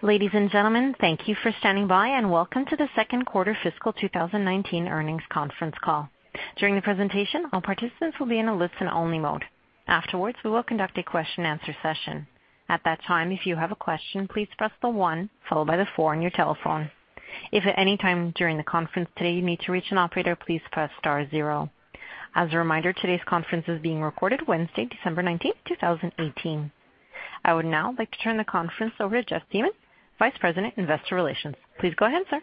Ladies and gentlemen, thank you for standing by and welcome to the second quarter fiscal 2019 earnings conference call. During the presentation, all participants will be in a listen-only mode. Afterwards, we will conduct a question-answer session. At that time, if you have a question, please press the one followed by the four on your telephone. If at any time during the conference today, you need to reach an operator, please press star zero. As a reminder, today's conference is being recorded Wednesday, December 19, 2018. I would now like to turn the conference over to Jeff Siemon, Vice President, Investor Relations. Please go ahead, sir.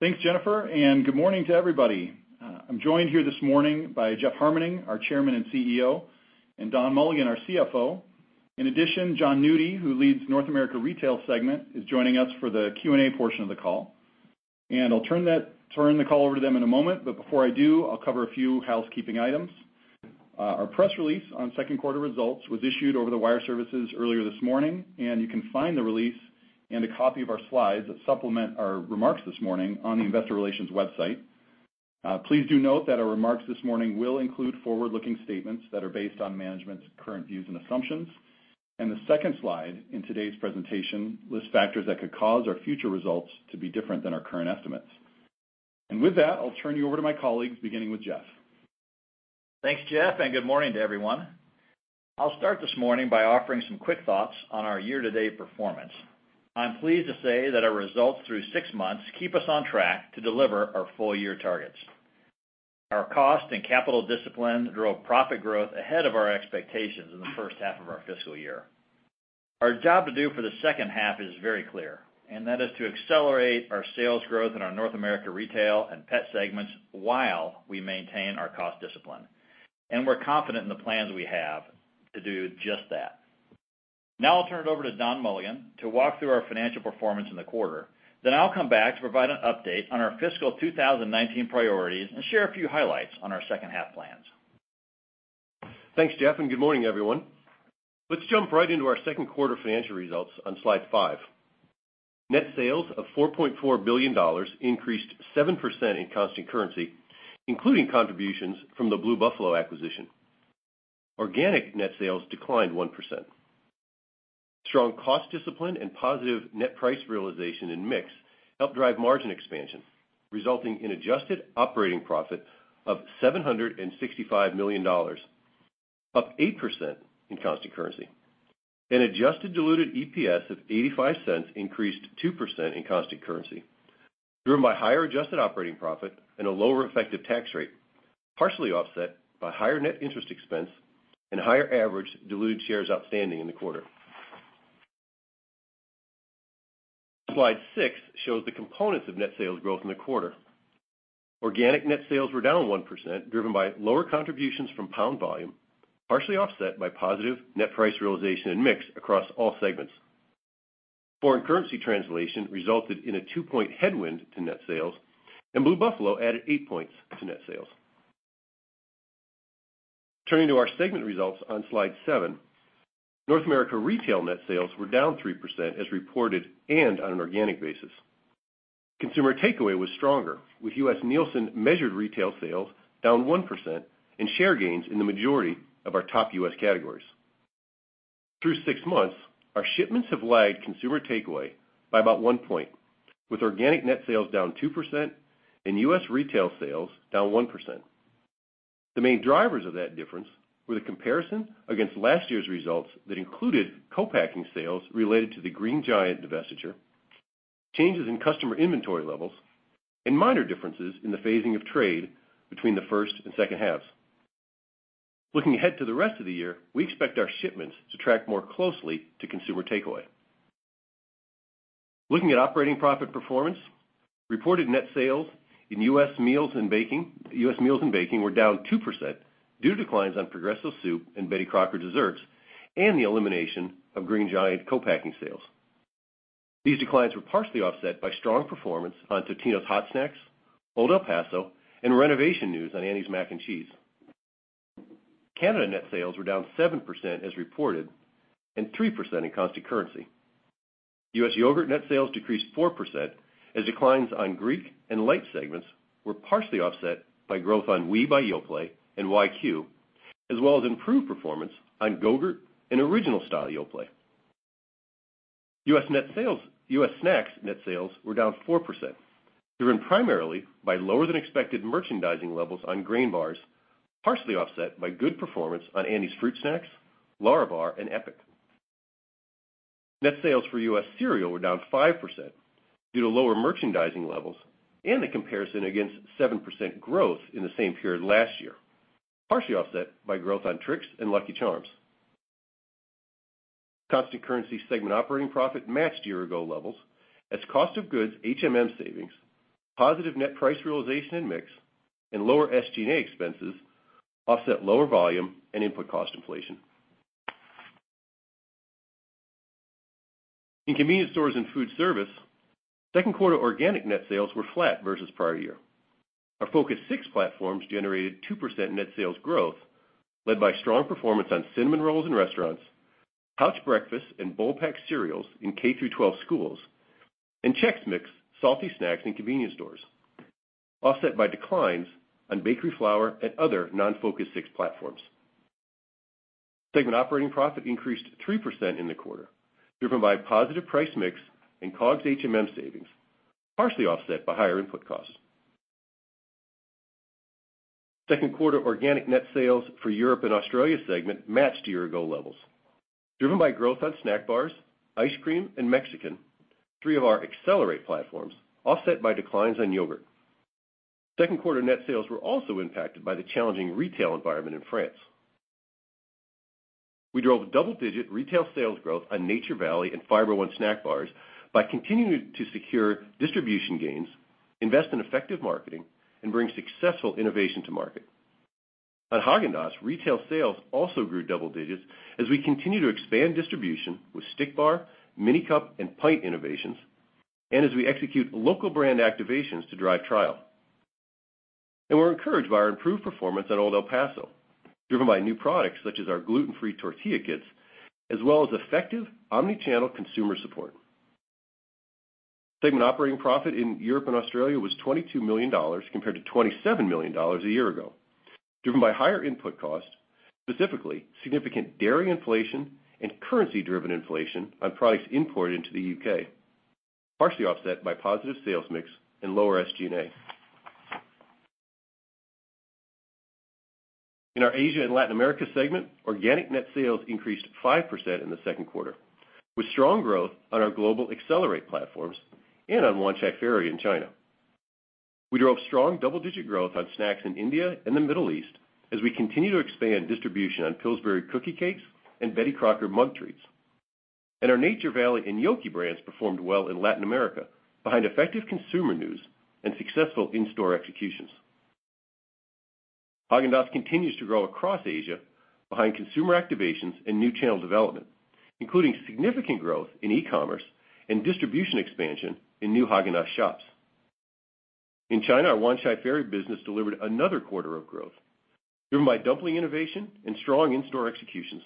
Thanks, Jennifer, and good morning to everybody. I'm joined here this morning by Jeff Harmening, our Chairman and CEO, and Don Mulligan, our CFO. In addition, Jon Nudi, who leads North America Retail segment, is joining us for the Q&A portion of the call. I'll turn the call over to them in a moment, but before I do, I'll cover a few housekeeping items. Our press release on second quarter results was issued over the wire services earlier this morning, and you can find the release and a copy of our slides that supplement our remarks this morning on the investor relations website. Please do note that our remarks this morning will include forward-looking statements that are based on management's current views and assumptions. The second slide in today's presentation lists factors that could cause our future results to be different than our current estimates. With that, I'll turn you over to my colleagues, beginning with Jeff. Thanks, Jeff, and good morning to everyone. I'll start this morning by offering some quick thoughts on our year-to-date performance. I'm pleased to say that our results through six months keep us on track to deliver our full year targets. Our cost and capital discipline drove profit growth ahead of our expectations in the first half of our fiscal year. Our job to do for the second half is very clear, and that is to accelerate our sales growth in our North America Retail and Pet segments while we maintain our cost discipline. We're confident in the plans we have to do just that. Now I'll turn it over to Don Mulligan to walk through our financial performance in the quarter. I'll come back to provide an update on our fiscal 2019 priorities and share a few highlights on our second half plans. Thanks, Jeff, and good morning, everyone. Let's jump right into our second quarter financial results on slide five. Net sales of $4.4 billion increased 7% in constant currency, including contributions from the Blue Buffalo acquisition. Organic net sales declined 1%. Strong cost discipline and positive net price realization and mix helped drive margin expansion, resulting in adjusted operating profit of $765 million, up 8% in constant currency. Adjusted diluted EPS of $0.85 increased 2% in constant currency, driven by higher adjusted operating profit and a lower effective tax rate, partially offset by higher net interest expense and higher average diluted shares outstanding in the quarter. Slide six shows the components of net sales growth in the quarter. Organic net sales were down 1%, driven by lower contributions from pound volume, partially offset by positive net price realization and mix across all segments. Foreign currency translation resulted in a two-point headwind to net sales. Blue Buffalo added eight points to net sales. Turning to our segment results on slide seven, North America Retail net sales were down 3% as reported and on an organic basis. Consumer takeaway was stronger, with U.S. Nielsen-measured retail sales down 1% and share gains in the majority of our top U.S. categories. Through six months, our shipments have lagged consumer takeaway by about one point, with organic net sales down 2% and U.S. retail sales down 1%. The main drivers of that difference were the comparison against last year's results that included co-packing sales related to the Green Giant divestiture, changes in customer inventory levels, and minor differences in the phasing of trade between the first and second halves. Looking ahead to the rest of the year, we expect our shipments to track more closely to consumer takeaway. Looking at operating profit performance, reported net sales in U.S. Meals & Baking were down 2% due to declines on Progresso soup and Betty Crocker desserts and the elimination of Green Giant co-packing sales. These declines were partially offset by strong performance on Totino's Hot Snacks, Old El Paso, and renovation news on Annie's Mac & Cheese. Canada net sales were down 7% as reported and 3% in constant currency. U.S. yogurt net sales decreased 4% as declines on Greek and light segments were partially offset by growth on Oui by Yoplait and YQ, as well as improved performance on Go-GURT and original style Yoplait. U.S. snacks net sales were down 4%, driven primarily by lower than expected merchandising levels on grain bars, partially offset by good performance on Annie's fruit snacks, Lärabar, and EPIC. Net sales for U.S. Cereal were down 5% due to lower merchandising levels and a comparison against 7% growth in the same period last year, partially offset by growth on Trix and Lucky Charms. Constant currency segment operating profit matched year ago levels as cost of goods HMM savings, positive net price realization and mix, and lower SG&A expenses offset lower volume and input cost inflation. In Convenience Stores & Foodservice, second quarter organic net sales were flat versus prior year. Our Focus 6 platforms generated 2% net sales growth, led by strong performance on cinnamon rolls in restaurants, pouch breakfast and bowl pack cereals in K-12 schools, and Chex Mix salty snacks in convenience stores offset by declines on bakery flour and other non-Focus 6 platforms. Segment operating profit increased 3% in the quarter, driven by positive price mix and COGS HMM savings, partially offset by higher input costs. Second quarter organic net sales for Europe and Australia segment matched year-ago levels, driven by growth on snack bars, ice cream, and Mexican, three of our Accelerate platforms, offset by declines on yogurt. Second quarter net sales were also impacted by the challenging retail environment in France. We drove double-digit retail sales growth on Nature Valley and Fiber One snack bars by continuing to secure distribution gains, invest in effective marketing, and bring successful innovation to market. At Häagen-Dazs, retail sales also grew double digits as we continue to expand distribution with Stick Bar, Mini Cup, and Pint innovations, and as we execute local brand activations to drive trial. We're encouraged by our improved performance at Old El Paso, driven by new products such as our gluten-free tortilla kits, as well as effective omni-channel consumer support. Segment operating profit in Europe and Australia was $22 million compared to $27 million a year ago, driven by higher input costs, specifically significant dairy inflation and currency-driven inflation on products imported into the U.K., partially offset by positive sales mix and lower SG&A. In our Asia and Latin America segment, organic net sales increased 5% in the second quarter, with strong growth on our global Accelerate platforms and on Wanchai Ferry in China. We drove strong double-digit growth on snacks in India and the Middle East as we continue to expand distribution on Pillsbury Cookie Cakes and Betty Crocker Mug Treats. Our Nature Valley and Yoki brands performed well in Latin America behind effective consumer news and successful in-store executions. Häagen-Dazs continues to grow across Asia behind consumer activations and new channel development, including significant growth in e-commerce and distribution expansion in new Häagen-Dazs shops. In China, our Wanchai Ferry business delivered another quarter of growth, driven by dumpling innovation and strong in-store executions.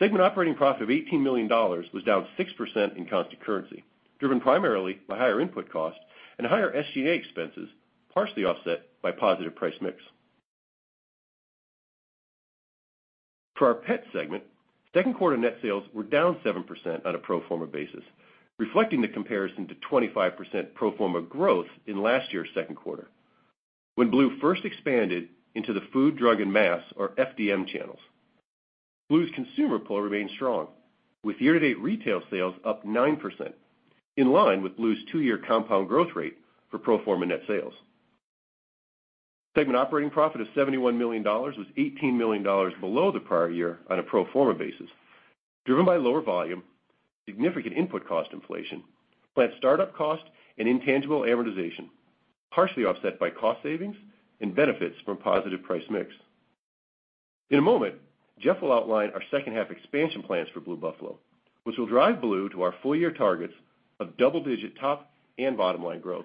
Segment operating profit of $18 million was down 6% in constant currency, driven primarily by higher input costs and higher SG&A expenses, partially offset by positive price mix. For our Pet segment, second quarter net sales were down 7% on a pro forma basis, reflecting the comparison to 25% pro forma growth in last year's second quarter, when Blue first expanded into the Food, Drug, and Mass, or FDM channels. Blue's consumer pull remains strong, with year-to-date retail sales up 9%, in line with Blue's two-year compound growth rate for pro forma net sales. Segment operating profit of $71 million was $18 million below the prior year on a pro forma basis, driven by lower volume, significant input cost inflation, plant startup cost, and intangible amortization, partially offset by cost savings and benefits from positive price mix. In a moment, Jeff will outline our second half expansion plans for Blue Buffalo, which will drive Blue to our full-year targets of double-digit top and bottom-line growth.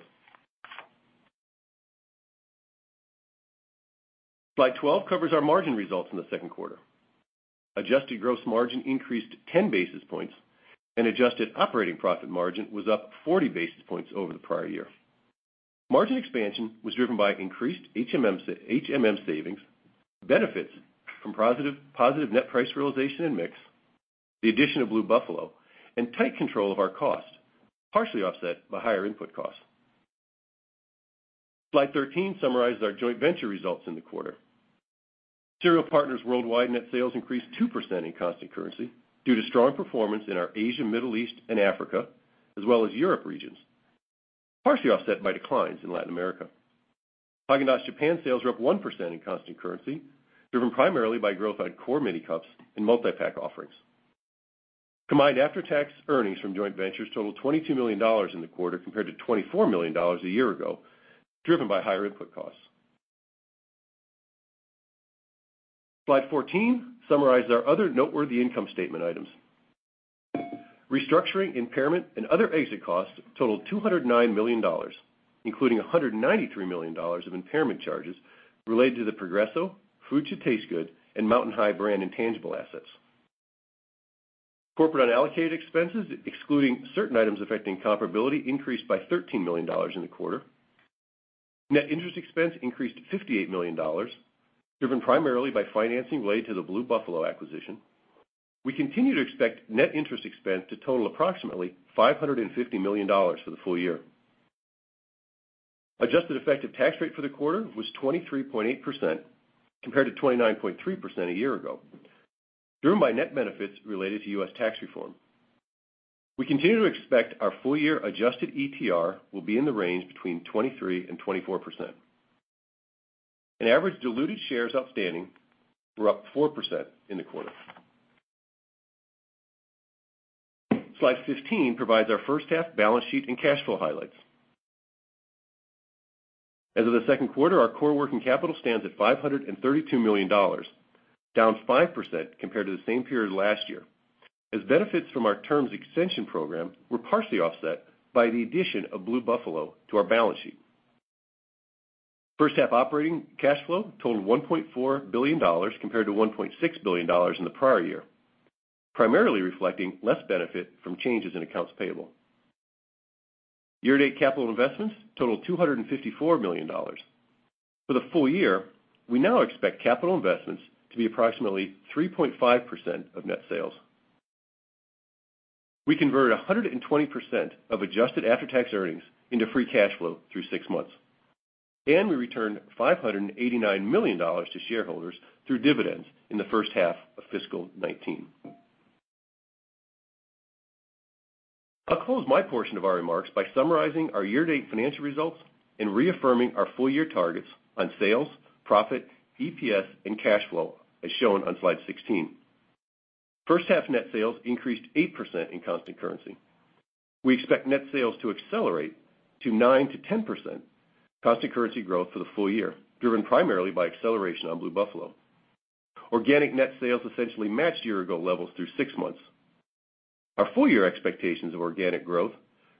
Slide 12 covers our margin results in the second quarter. Adjusted gross margin increased 10 basis points, and adjusted operating profit margin was up 40 basis points over the prior year. Margin expansion was driven by increased HMM savings, benefits from positive net price realization and mix, the addition of Blue Buffalo, and tight control of our costs, partially offset by higher input costs. Slide 13 summarizes our joint venture results in the quarter. Cereal Partners Worldwide net sales increased 2% in constant currency due to strong performance in our Asia, Middle East, and Africa, as well as Europe regions, partially offset by declines in Latin America. Häagen-Dazs Japan sales were up 1% in constant currency, driven primarily by growth on core mini cups and multi-pack offerings. Combined after-tax earnings from joint ventures totaled $22 million in the quarter compared to $24 million a year ago, driven by higher input costs. Slide 14 summarizes our other noteworthy income statement items. Restructuring, impairment, and other exit costs totaled $209 million, including $193 million of impairment charges related to the Progresso, Food Should Taste Good, and Mountain High brand intangible assets. Corporate unallocated expenses, excluding certain items affecting comparability, increased by $13 million in the quarter. Net interest expense increased to $58 million, driven primarily by financing related to the Blue Buffalo acquisition. We continue to expect net interest expense to total approximately $550 million for the full year. Adjusted effective tax rate for the quarter was 23.8% compared to 29.3% a year ago, driven by net benefits related to U.S. tax reform. We continue to expect our full-year adjusted ETR will be in the range between 23% and 24%. Average diluted shares outstanding were up 4% in the quarter. Slide 15 provides our first half balance sheet and cash flow highlights. As of the second quarter, our core working capital stands at $532 million, down 5% compared to the same period last year, as benefits from our terms extension program were partially offset by the addition of Blue Buffalo to our balance sheet. First half operating cash flow totaled $1.4 billion compared to $1.6 billion in the prior year, primarily reflecting less benefit from changes in accounts payable. Year-to-date capital investments totaled $254 million. For the full year, we now expect capital investments to be approximately 3.5% of net sales. We converted 120% of adjusted after-tax earnings into free cash flow through six months, and we returned $589 million to shareholders through dividends in the first half of fiscal 2019. I'll close my portion of our remarks by summarizing our year-to-date financial results and reaffirming our full-year targets on sales, profit, EPS, and cash flow, as shown on slide 16. First half net sales increased 8% in constant currency. We expect net sales to accelerate to 9%-10% constant currency growth for the full year, driven primarily by acceleration on Blue Buffalo. Organic net sales essentially matched year-ago levels through six months. Our full year expectations of organic growth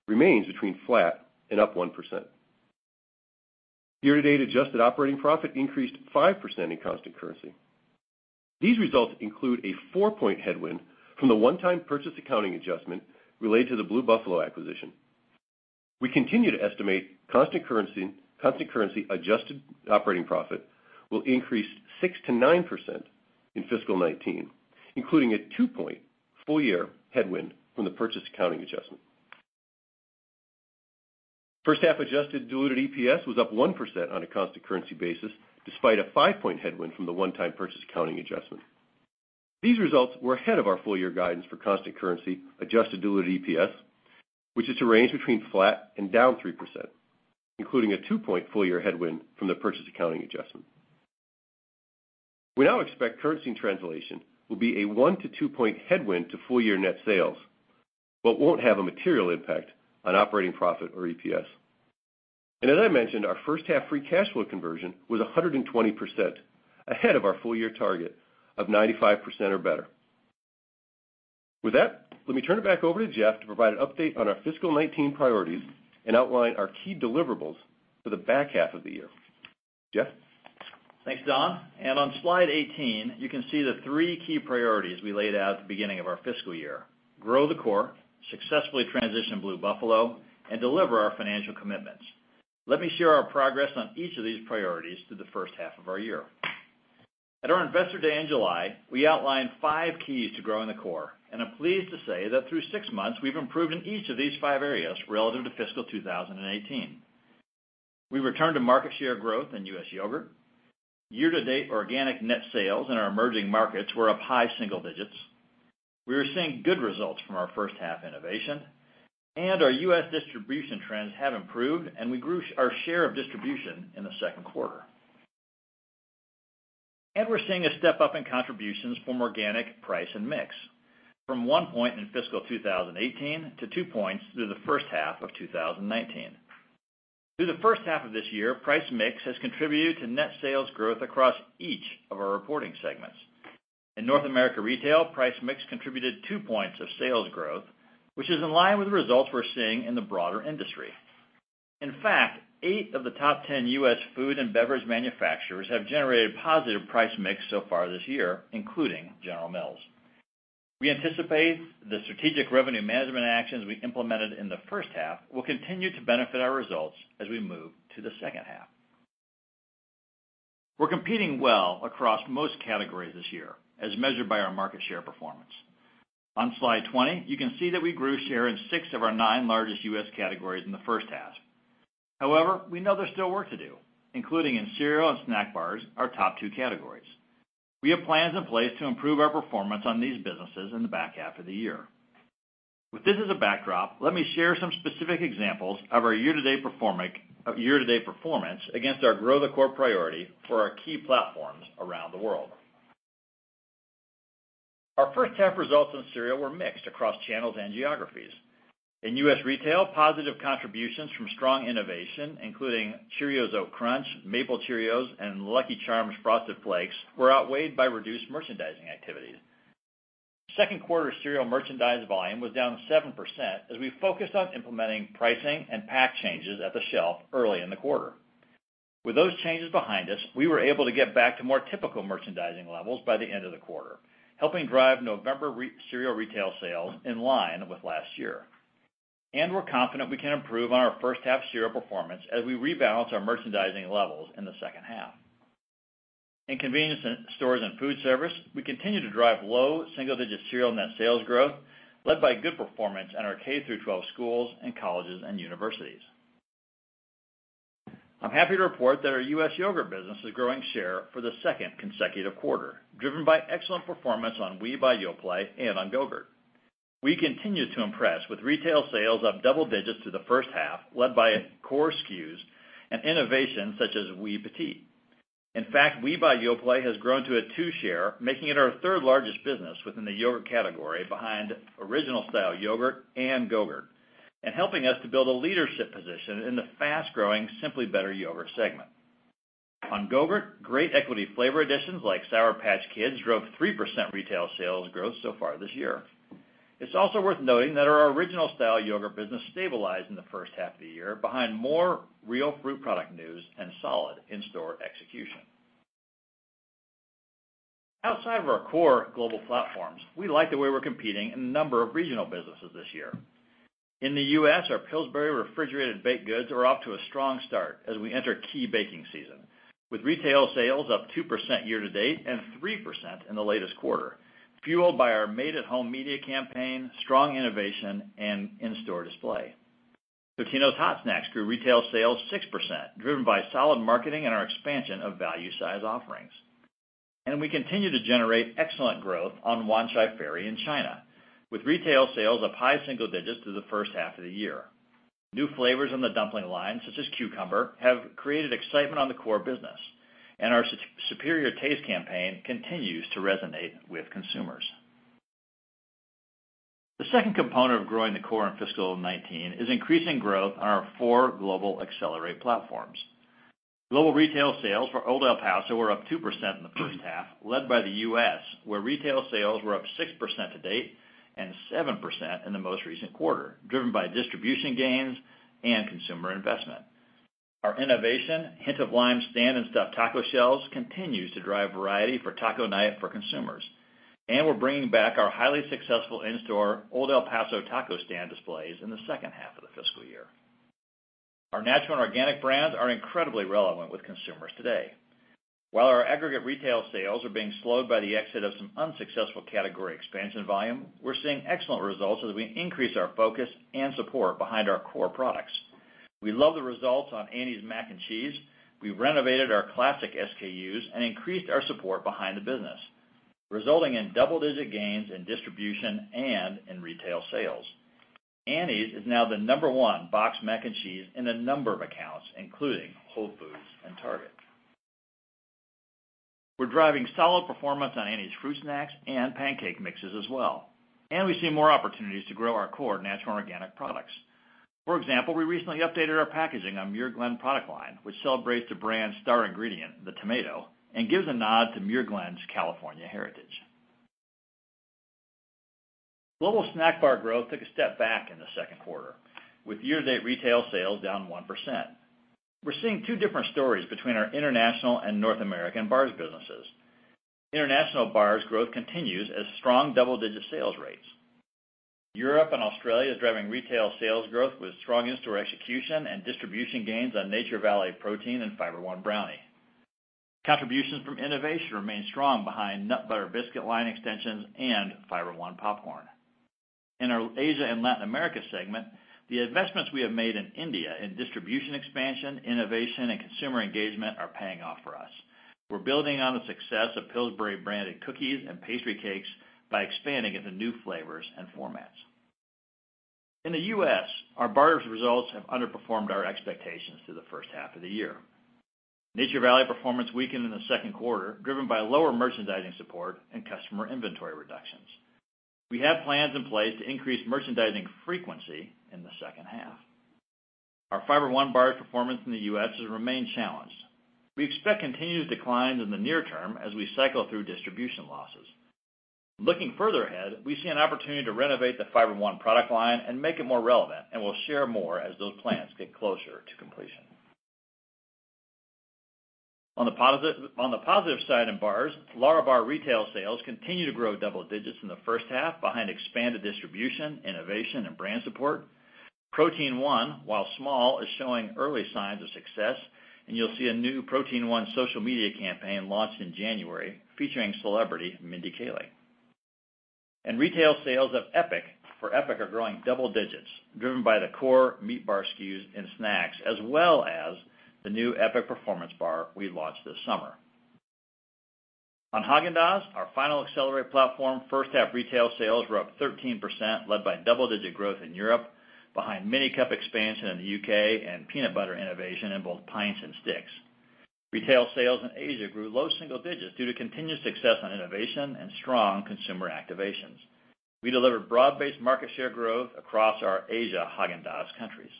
remains between flat and up 1%. Year-to-date adjusted operating profit increased 5% in constant currency. These results include a four-point headwind from the one-time purchase accounting adjustment related to the Blue Buffalo acquisition. We continue to estimate constant currency-adjusted operating profit will increase 6%-9% in fiscal 2019, including a two-point full-year headwind from the purchase accounting adjustment. First half adjusted diluted EPS was up 1% on a constant currency basis, despite a five-point headwind from the one-time purchase accounting adjustment. These results were ahead of our full-year guidance for constant currency adjusted diluted EPS, which is to range between flat and down 3%, including a two-point full-year headwind from the purchase accounting adjustment. We now expect currency and translation will be a one- to two-point headwind to full-year net sales, but won't have a material impact on operating profit or EPS. As I mentioned, our first-half free cash flow conversion was 120%, ahead of our full-year target of 95% or better. With that, let me turn it back over to Jeff to provide an update on our fiscal 2019 priorities and outline our key deliverables for the back half of the year. Jeff? Thanks, Don. On slide 18, you can see the three key priorities we laid out at the beginning of our fiscal year, Grow the Core, Successfully Transition Blue Buffalo, and Deliver Our Financial Commitments. Let me share our progress on each of these priorities through the first half of our year. At our Investor Day in July, we outlined five keys to growing the core. I'm pleased to say that through six months, we've improved in each of these five areas relative to fiscal 2018. We returned to market share growth in U.S. yogurt. Year-to-date organic net sales in our emerging markets were up high single digits. We are seeing good results from our first half innovation. Our U.S. distribution trends have improved. We grew our share of distribution in the second quarter. We're seeing a step-up in contributions from organic price and mix from one point in fiscal 2018 to two points through the first half of 2019. Through the first half of this year, price mix has contributed to net sales growth across each of our reporting segments. In North America Retail, price mix contributed two points of sales growth, which is in line with the results we're seeing in the broader industry. In fact, eight of the top 10 U.S. food and beverage manufacturers have generated positive price mix so far this year, including General Mills. We anticipate the strategic revenue management actions we implemented in the first half will continue to benefit our results as we move to the second half. We're competing well across most categories this year, as measured by our market share performance. On slide 20, you can see that we grew share in six of our nine largest U.S. categories in the first half. However, we know there's still work to do, including in cereal and snack bars, our top two categories. We have plans in place to improve our performance on these businesses in the back half of the year. With this as a backdrop, let me share some specific examples of our year-to-date performance against our grow the core priority for our key platforms around the world. Our first half results in cereal were mixed across channels and geographies. In U.S. retail, positive contributions from strong innovation, including Cheerios Oat Crunch, Maple Cheerios, and Lucky Charms Frosted Flakes, were outweighed by reduced merchandising activities. Second quarter cereal merchandise volume was down 7% as we focused on implementing pricing and pack changes at the shelf early in the quarter. With those changes behind us, we were able to get back to more typical merchandising levels by the end of the quarter, helping drive November cereal retail sales in line with last year. We're confident we can improve on our first half cereal performance as we rebalance our merchandising levels in the second half. In convenience stores and food service, we continue to drive low single-digit cereal net sales growth, led by good performance in our K-12 schools and colleges and universities. I'm happy to report that our U.S. yogurt business is growing share for the second consecutive quarter, driven by excellent performance on Oui by Yoplait and on Go-GURT. We continue to impress with retail sales up double digits through the first half, led by core SKUs and innovations such as Oui Petite. In fact, Oui by Yoplait has grown to a 2% share, making it our third-largest business within the yogurt category behind Original Style yogurt and Go-GURT, and helping us to build a leadership position in the fast-growing Simply Better yogurt segment. On Go-GURT, great equity flavor additions like Sour Patch Kids drove 3% retail sales growth so far this year. It's also worth noting that our Original Style yogurt business stabilized in the first half of the year behind more real fruit product news and solid in-store execution. Outside of our core global platforms, we like the way we're competing in a number of regional businesses this year. In the U.S., our Pillsbury refrigerated baked goods are off to a strong start as we enter key baking season, with retail sales up 2% year-to-date and 3% in the latest quarter, fueled by our Made at Home media campaign, strong innovation, and in-store display. Totino's Hot Snacks grew retail sales 6%, driven by solid marketing and our expansion of value size offerings. We continue to generate excellent growth on Wanchai Ferry in China, with retail sales up high single digits through the first half of the year. New flavors in the dumpling line, such as cucumber, have created excitement on the core business, and our superior taste campaign continues to resonate with consumers. The second component of growing the core in fiscal 2019 is increasing growth on our four global Accelerate platforms. Global retail sales for Old El Paso were up 2% in the first half, led by the U.S., where retail sales were up 6% to-date and 7% in the most recent quarter, driven by distribution gains and consumer investment. Our innovation, Hint of Lime Stand 'N Stuff taco shells, continues to drive variety for taco night for consumers, and we're bringing back our highly successful in-store Old El Paso taco stand displays in the second half of the fiscal year. Our natural and organic brands are incredibly relevant with consumers today. While our aggregate retail sales are being slowed by the exit of some unsuccessful category expansion volume, we're seeing excellent results as we increase our focus and support behind our core products. We love the results on Annie's Mac & Cheese. We renovated our classic SKUs and increased our support behind the business, resulting in double-digit gains in distribution and in retail sales. Annie's is now the number one boxed mac and cheese in a number of accounts, including Whole Foods and Target. We're driving solid performance on Annie's fruit snacks and pancake mixes as well, and we see more opportunities to grow our core natural and organic products. For example, we recently updated our packaging on Muir Glen product line, which celebrates the brand's star ingredient, the tomato, and gives a nod to Muir Glen's California heritage. Global snack bar growth took a step back in the second quarter with year-to-date retail sales down 1%. We're seeing two different stories between our international and North American bars businesses. International bars growth continues as strong double-digit sales rates. Europe and Australia is driving retail sales growth with strong in-store execution and distribution gains on Nature Valley protein and Fiber One Brownie. Contributions from innovation remain strong behind Nut Butter Biscuit line extensions and Fiber One popcorn. In our Asia and Latin America segment, the investments we have made in India in distribution expansion, innovation, and consumer engagement are paying off for us. We're building on the success of Pillsbury-branded cookies and pastry cakes by expanding into new flavors and formats. In the U.S., our bars results have underperformed our expectations through the first half of the year. Nature Valley performance weakened in the second quarter, driven by lower merchandising support and customer inventory reductions. We have plans in place to increase merchandising frequency in the second half. Our Fiber One bars performance in the U.S. has remained challenged. We expect continued declines in the near term as we cycle through distribution losses. Looking further ahead, we see an opportunity to renovate the Fiber One product line and make it more relevant, and we'll share more as those plans get closer to completion. On the positive side in bars, Lärabar retail sales continue to grow double digits in the first half behind expanded distribution, innovation, and brand support. Protein One, while small, is showing early signs of success, and you'll see a new Protein One social media campaign launched in January featuring celebrity Mindy Kaling. Retail sales of EPIC, for EPIC, are growing double digits, driven by the core meat bar SKUs and snacks, as well as the new EPIC Performance Bar we launched this summer. On Häagen-Dazs, our final accelerate platform, first half retail sales were up 13%, led by double-digit growth in Europe behind mini cup expansion in the U.K. and Peanut Butter innovation in both Pints and Sticks. Retail sales in Asia grew low single digits due to continued success on innovation and strong consumer activations. We delivered broad-based market share growth across our Asia Häagen-Dazs countries.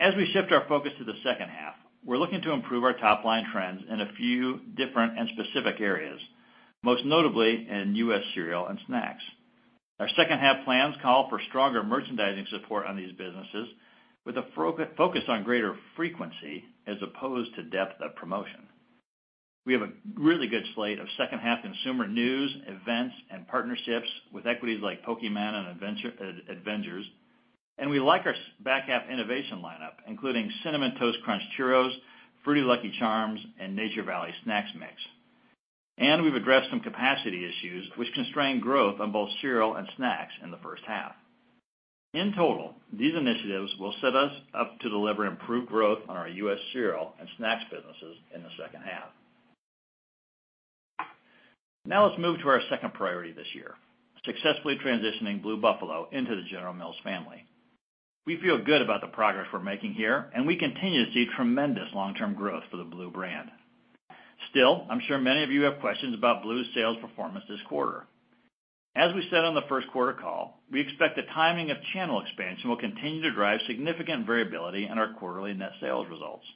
As we shift our focus to the second half, we're looking to improve our top-line trends in a few different and specific areas, most notably in U.S. Cereal and Snacks. Our second half plans call for stronger merchandising support on these businesses with a focus on greater frequency as opposed to depth of promotion. We have a really good slate of second half consumer news, events, and partnerships with equities like Pokémon and Avengers. We like our back half innovation lineup, including Cinnamon Toast Crunch Churros, Fruity Lucky Charms, and Nature Valley Snack Mix. We've addressed some capacity issues which constrain growth on both Cereal and Snacks in the first half. In total, these initiatives will set us up to deliver improved growth on our U.S. Cereal and Snacks businesses in the second half. Now let's move to our second priority this year, successfully transitioning Blue Buffalo into the General Mills family. We feel good about the progress we're making here, and we continue to see tremendous long-term growth for the Blue brand. Still, I'm sure many of you have questions about Blue's sales performance this quarter. As we said on the first quarter call, we expect the timing of channel expansion will continue to drive significant variability in our quarterly net sales results.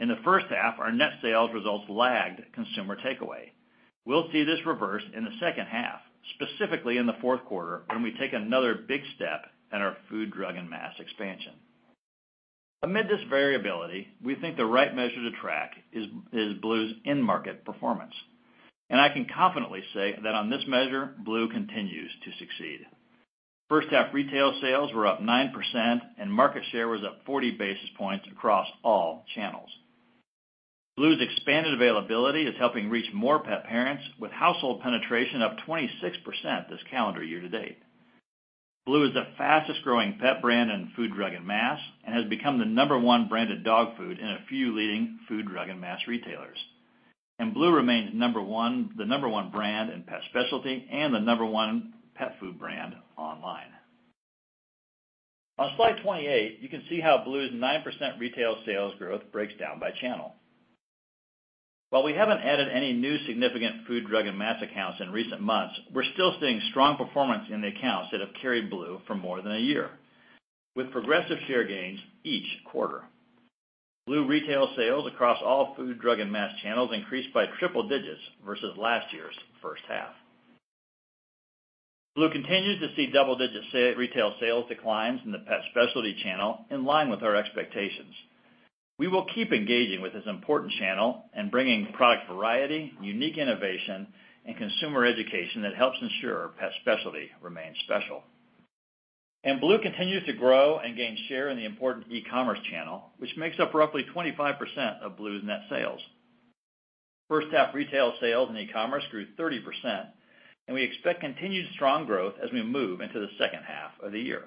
In the first half, our net sales results lagged consumer takeaway. We'll see this reverse in the second half, specifically in the fourth quarter, when we take another big step in our Food, Drug, and Mass expansion. Amid this variability, we think the right measure to track is Blue's end-market performance. I can confidently say that on this measure, Blue continues to succeed. First-half retail sales were up 9%, and market share was up 40 basis points across all channels. Blue's expanded availability is helping reach more pet parents, with household penetration up 26% this calendar year-to-date. Blue is the fastest-growing pet brand in Food, Drug, and Mass and has become the number one branded dog food in a few leading Food, Drug, and Mass retailers. Blue remains the number one brand in Pet Specialty and the number one pet food brand online. On slide 28, you can see how Blue's 9% retail sales growth breaks down by channel. While we haven't added any new significant Food, Drug, and Mass accounts in recent months, we're still seeing strong performance in the accounts that have carried Blue for more than a year, with progressive share gains each quarter. Blue retail sales across all Food, Drug, and Mass channels increased by triple digits versus last year's first half. Blue continues to see double-digit retail sales declines in the Pet Specialty channel in line with our expectations. We will keep engaging with this important channel and bringing product variety, unique innovation, and consumer education that helps ensure our Pet Specialty remains special. Blue continues to grow and gain share in the important e-commerce channel, which makes up roughly 25% of Blue's net sales. First-half retail sales and e-commerce grew 30%, and we expect continued strong growth as we move into the second half of the year.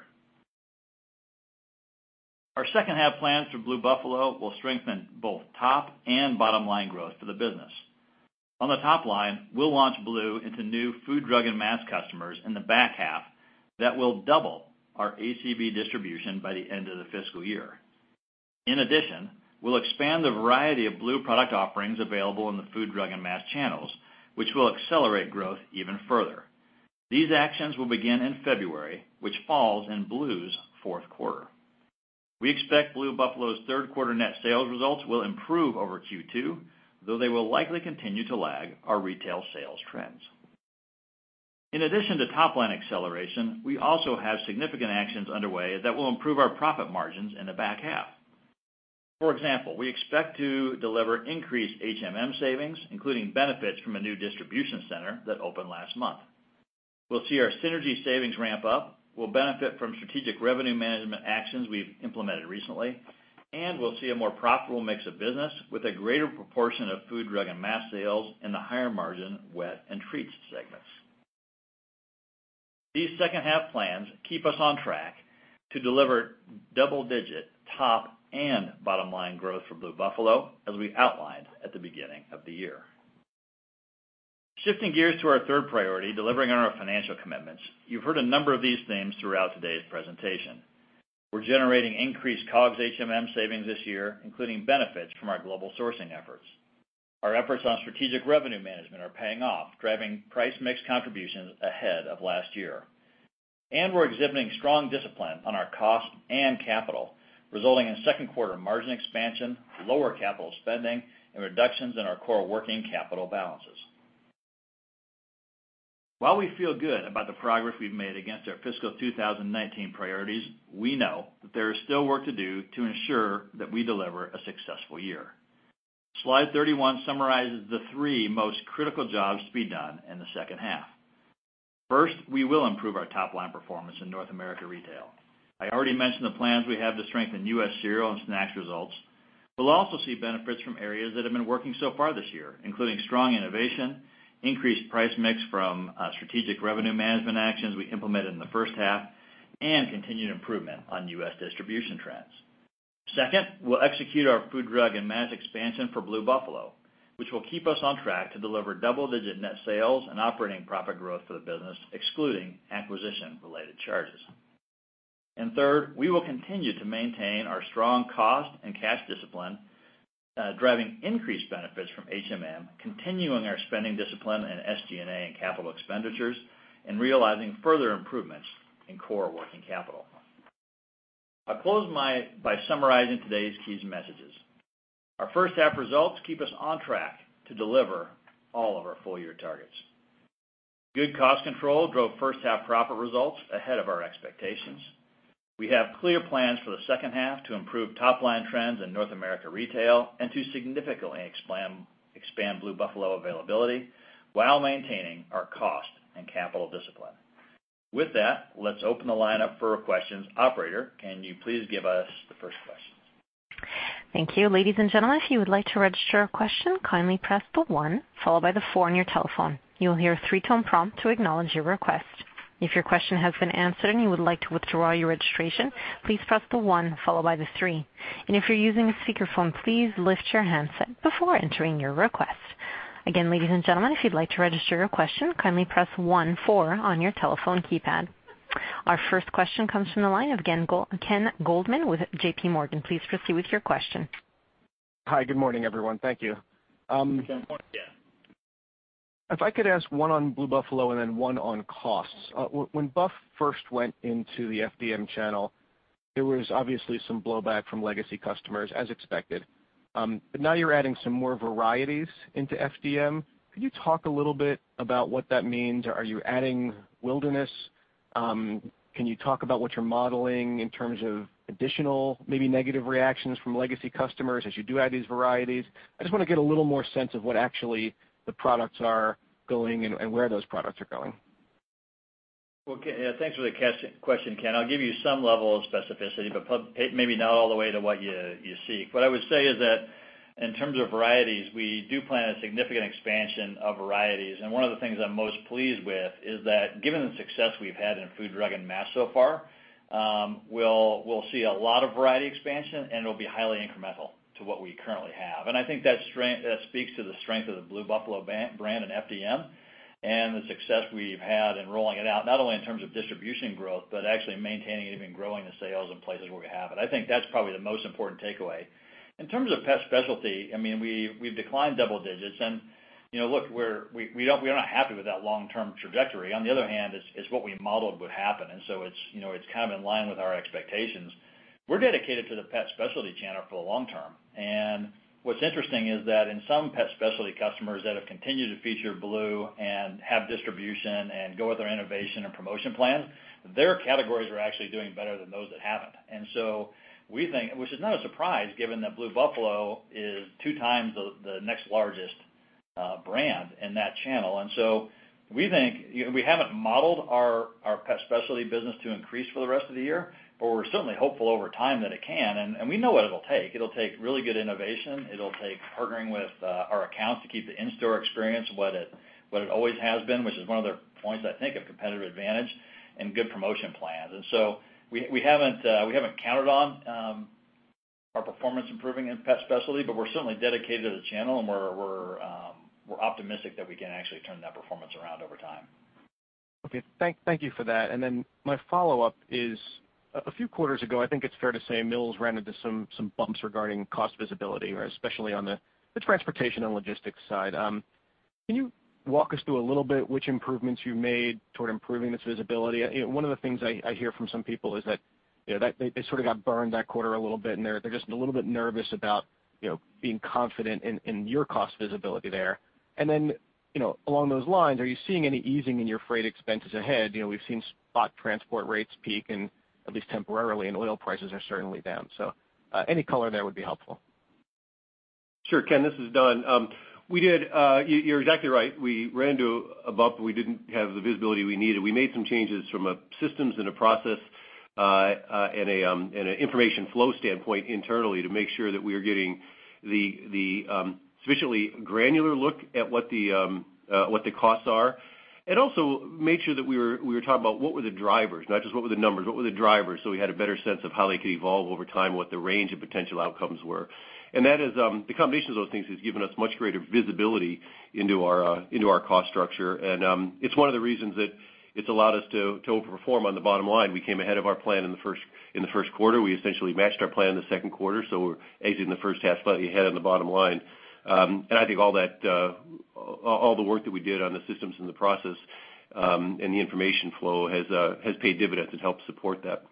Our second-half plans for Blue Buffalo will strengthen both top and bottom-line growth for the business. On the top line, we'll launch Blue into new Food, Drug, and Mass customers in the back half that will double our ACV distribution by the end of the fiscal year. In addition, we'll expand the variety of Blue product offerings available in the Food, Drug, and Mass channels, which will accelerate growth even further. These actions will begin in February, which falls in Blue's fourth quarter. We expect Blue Buffalo's third-quarter net sales results will improve over Q2, though they will likely continue to lag our retail sales trends. In addition to top-line acceleration, we also have significant actions underway that will improve our profit margins in the back half. For example, we expect to deliver increased HMM savings, including benefits from a new distribution center that opened last month. We will see our synergy savings ramp up, we will benefit from strategic revenue management actions we have implemented recently, and we will see a more profitable mix of business with a greater proportion of Food, Drug, and Mass sales in the higher-margin wet and treats segments. These second-half plans keep us on track to deliver double-digit top and bottom-line growth for Blue Buffalo, as we outlined at the beginning of the year. Shifting gears to our third priority, delivering on our financial commitments. You have heard a number of these themes throughout today's presentation. We are generating increased COGS HMM savings this year, including benefits from our global sourcing efforts. Our efforts on strategic revenue management are paying off, driving price mix contributions ahead of last year. We are exhibiting strong discipline on our cost and capital, resulting in second-quarter margin expansion, lower capital spending, and reductions in our core working capital balances. While we feel good about the progress we have made against our fiscal 2019 priorities, we know that there is still work to do to ensure that we deliver a successful year. Slide 31 summarizes the three most critical jobs to be done in the second half. First, we will improve our top-line performance in North America retail. I already mentioned the plans we have to strengthen U.S. Cereal and Snacks results. We will also see benefits from areas that have been working so far this year, including strong innovation, increased price mix from strategic revenue management actions we implemented in the first half, and continued improvement on U.S. distribution trends. Second, we will execute our Food, Drug, and Mass expansion for Blue Buffalo, which will keep us on track to deliver double-digit net sales and operating profit growth for the business, excluding acquisition-related charges. Third, we will continue to maintain our strong cost and cash discipline, driving increased benefits from HMM, continuing our spending discipline in SG&A and capital expenditures, and realizing further improvements in core working capital. I will close by summarizing today's keys and messages. Our first-half results keep us on track to deliver all of our full-year targets. Good cost control drove first-half profit results ahead of our expectations. We have clear plans for the second half to improve top-line trends in North America retail and to significantly expand Blue Buffalo availability while maintaining our cost and capital discipline. With that, let us open the line up for questions. Operator, can you please give us the first question? Thank you. Ladies and gentlemen, if you would like to register a question, kindly press the one followed by the four on your telephone. You will hear a three-tone prompt to acknowledge your request. If your question has been answered and you would like to withdraw your registration, please press the one followed by the three. If you're using a speakerphone, please lift your handset before entering your request. Again, ladies and gentlemen, if you'd like to register your question, kindly press one, four on your telephone keypad. Our first question comes from the line of Ken Goldman with JPMorgan. Please proceed with your question. Hi. Good morning, everyone. Thank you. Good morning, Ken. If I could ask one on Blue Buffalo and then one on costs. When Buff first went into the FDM channel, there was obviously some blowback from legacy customers, as expected. Now you're adding some more varieties into FDM. Could you talk a little bit about what that means? Are you adding Wilderness? Can you talk about what you're modeling in terms of additional, maybe negative reactions from legacy customers as you do add these varieties? I just want to get a little more sense of what actually the products are going and where those products are going. Well, thanks for the question, Ken. I'll give you some level of specificity, but maybe not all the way to what you seek. What I would say is that in terms of varieties, we do plan a significant expansion of varieties, one of the things I'm most pleased with is that given the success we've had in Food, Drug, and Mass so far, we'll see a lot of variety expansion, and it'll be highly incremental to what we currently have. I think that speaks to the strength of the Blue Buffalo brand in FDM and the success we've had in rolling it out, not only in terms of distribution growth, but actually maintaining and even growing the sales in places where we have it. I think that's probably the most important takeaway. In terms of Pet Specialty, we've declined double digits, look, we're not happy with that long-term trajectory. On the other hand, it's what we modeled would happen, so it's kind of in line with our expectations. We're dedicated to the Pet Specialty channel for the long term. What's interesting is that in some Pet Specialty customers that have continued to feature Blue and have distribution and go with our innovation and promotion plans, their categories are actually doing better than those that haven't, which is not a surprise given that Blue Buffalo is two times the next largest brand in that channel. We haven't modeled our Pet Specialty business to increase for the rest of the year, but we're certainly hopeful over time that it can, and we know what it'll take. It'll take really good innovation. It'll take partnering with our accounts to keep the in-store experience what it always has been, which is one of the points, I think, of competitive advantage and good promotion plans. We haven't counted on our performance improving in Pet Specialty, but we're certainly dedicated to the channel, and we're optimistic that we can actually turn that performance around over time. Okay. Thank you for that. My follow-up is, a few quarters ago, I think it's fair to say Mills ran into some bumps regarding cost visibility, especially on the transportation and logistics side. Can you walk us through a little bit which improvements you've made toward improving this visibility? One of the things I hear from some people is that they sort of got burned that quarter a little bit, and they're just a little bit nervous about being confident in your cost visibility there. Along those lines, are you seeing any easing in your freight expenses ahead? We've seen spot transport rates peak, at least temporarily, and oil prices are certainly down. Any color there would be helpful. Sure, Ken, this is Don. You're exactly right. We ran to a bump and we didn't have the visibility we needed. We made some changes from a systems and a process, and an information flow standpoint internally to make sure that we are getting the sufficiently granular look at what the costs are, and also made sure that we were talking about what were the drivers, not just what were the numbers, what were the drivers, so we had a better sense of how they could evolve over time, what the range of potential outcomes were. The combination of those things has given us much greater visibility into our cost structure, and it's one of the reasons that it's allowed us to overperform on the bottom line. We came ahead of our plan in the first quarter. We essentially matched our plan in the second quarter. We're aging the first half slightly ahead on the bottom line. I think all the work that we did on the systems and the process, and the information flow has paid dividends and helped support that.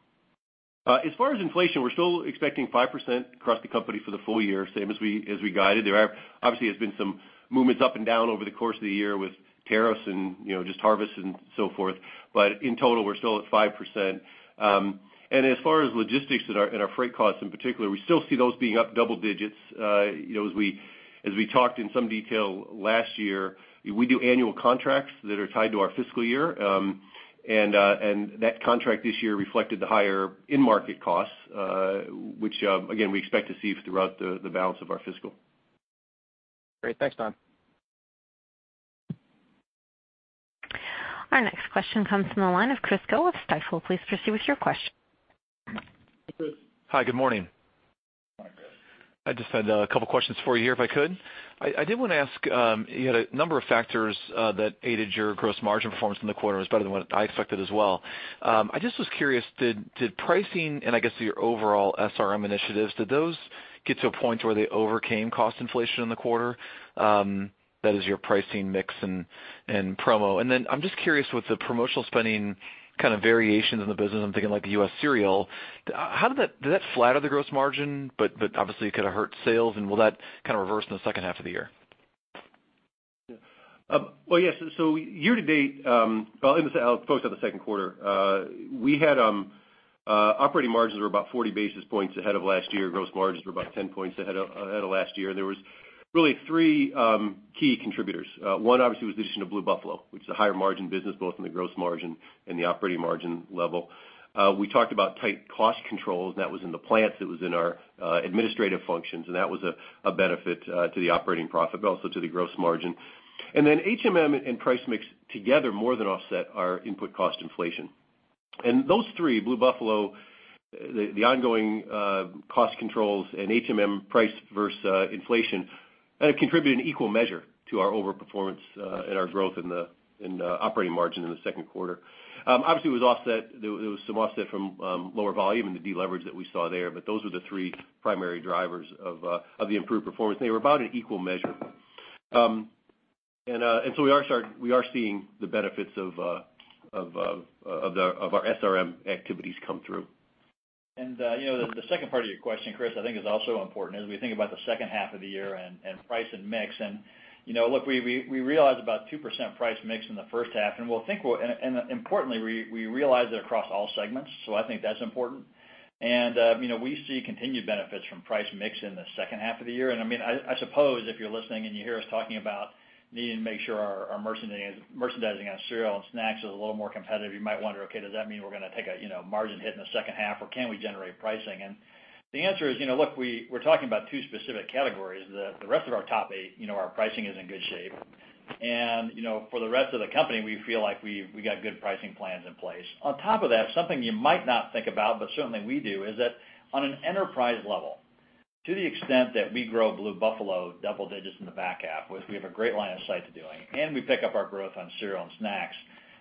As far as inflation, we're still expecting 5% across the company for the full year, same as we guided. There obviously has been some movements up and down over the course of the year with tariffs and just harvest and so forth. In total, we're still at 5%. As far as logistics and our freight costs in particular, we still see those being up double digits. As we talked in some detail last year, we do annual contracts that are tied to our fiscal year. That contract this year reflected the higher in-market costs, which again, we expect to see throughout the balance of our fiscal. Great. Thanks, Don. Our next question comes from the line of Chris Growe of Stifel. Please proceed with your question. Hi, Chris. Hi, good morning. I just had a couple questions for you here, if I could. I did want to ask, you had a number of factors that aided your gross margin performance in the quarter. It was better than what I expected as well. I just was curious, did pricing and I guess your overall SRM initiatives, did those get to a point where they overcame cost inflation in the quarter? That is your pricing mix and promo. I'm just curious with the promotional spending kind of variations in the business, I'm thinking like the U.S. Cereal, did that flatter the gross margin, but obviously could have hurt sales, and will that kind of reverse in the second half of the year? Well, yes. Year-to-date, I'll focus on the second quarter. Operating margins were about 40 basis points ahead of last year. Gross margins were about 10 points ahead of last year. There were really three key contributors. One obviously was the addition of Blue Buffalo, which is a higher margin business both in the gross margin and the operating margin level. We talked about tight cost controls, and that was in the plants, it was in our administrative functions, and that was a benefit to the operating profit, but also to the gross margin. HMM and price mix together more than offset our input cost inflation. Those three, Blue Buffalo, the ongoing cost controls, and HMM price versus inflation contributed in equal measure to our overperformance and our growth in the operating margin in the second quarter. Obviously, there was some offset from lower volume and the deleverage that we saw there, but those were the three primary drivers of the improved performance, and they were about in equal measure. We are seeing the benefits of our SRM activities come through. The second part of your question, Chris, I think is also important, as we think about the second half of the year and price and mix. Look, we realized about 2% price mix in the first half, and importantly, we realized it across all segments. I think that's important. We see continued benefits from price mix in the second half of the year. I suppose if you're listening and you hear us talking about needing to make sure our merchandising on Cereal and Snacks is a little more competitive, you might wonder, okay, does that mean we're going to take a margin hit in the second half, or can we generate pricing? The answer is, look, we're talking about two specific categories. The rest of our top eight, our pricing is in good shape. For the rest of the company, we feel like we got good pricing plans in place. On top of that, something you might not think about, but certainly we do, is that on an enterprise level, to the extent that we grow Blue Buffalo double digits in the back half, which we have a great line of sight to doing, and we pick up our growth on Cereal and Snacks,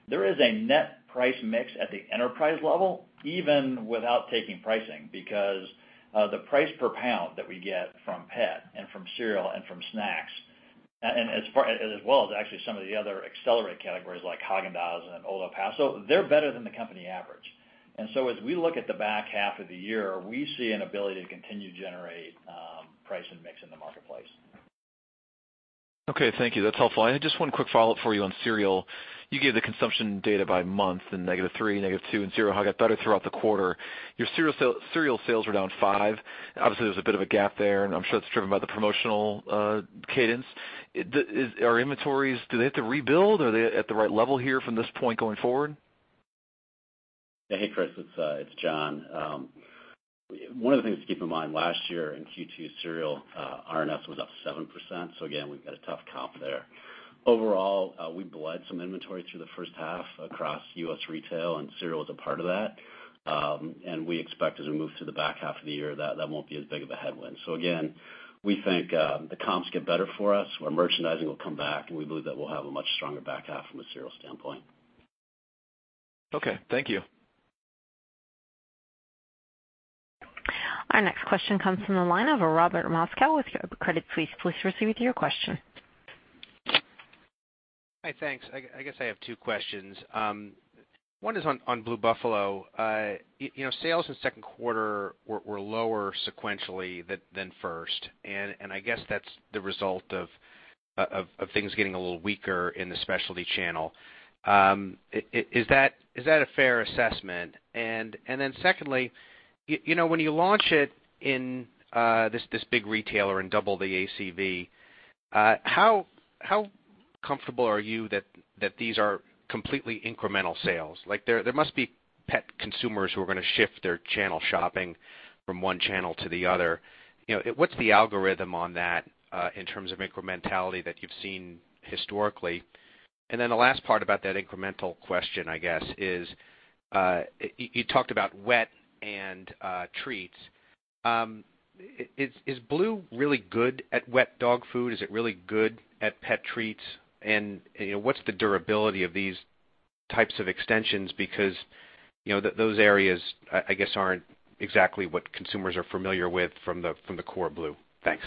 there is a net price mix at the enterprise level, even without taking pricing, because, the price per pound that we get from Pet and from Cereal and from Snacks, as well as actually some of the other accelerated categories like Häagen-Dazs and Old El Paso, they're better than the company average. As we look at the back half of the year, we see an ability to continue to generate price and mix in the marketplace. Okay, thank you. That's helpful. Just one quick follow-up for you on Cereal. You gave the consumption data by month in -3, -2, and zero, how it got better throughout the quarter. Your cereal sales were down five. Obviously, there's a bit of a gap there, and I'm sure it's driven by the promotional cadence. Our inventories, do they have to rebuild? Are they at the right level here from this point going forward? Hey, Chris, it's Jon. One of the things to keep in mind, last year in Q2, Cereal RNS was up 7%. Again, we've got a tough comp there. Overall, we bled some inventory through the first half across U.S. retail, and Cereal was a part of that. We expect as we move to the back half of the year, that won't be as big of a headwind. Again, we think the comps get better for us, our merchandising will come back, and we believe that we'll have a much stronger back half from a Cereal standpoint. Okay, thank you. Our next question comes from the line of Robert Moskow with Credit Suisse. Please proceed with your question. Hi, thanks. I guess I have two questions. One is on Blue Buffalo. Sales in the second quarter were lower sequentially than first, I guess that's the result of things getting a little weaker in the Specialty channel. Is that a fair assessment? Secondly, when you launch it in this big retailer and double the ACV, how comfortable are you that these are completely incremental sales? There must be pet consumers who are going to shift their channel shopping from one channel to the other. What's the algorithm on that, in terms of incrementality that you've seen historically? The last part about that incremental question, I guess, is, you talked about wet and treats. Is Blue really good at wet dog food? Is it really good at pet treats? What's the durability of these types of extensions, because those areas, I guess, aren't exactly what consumers are familiar with from the core Blue. Thanks.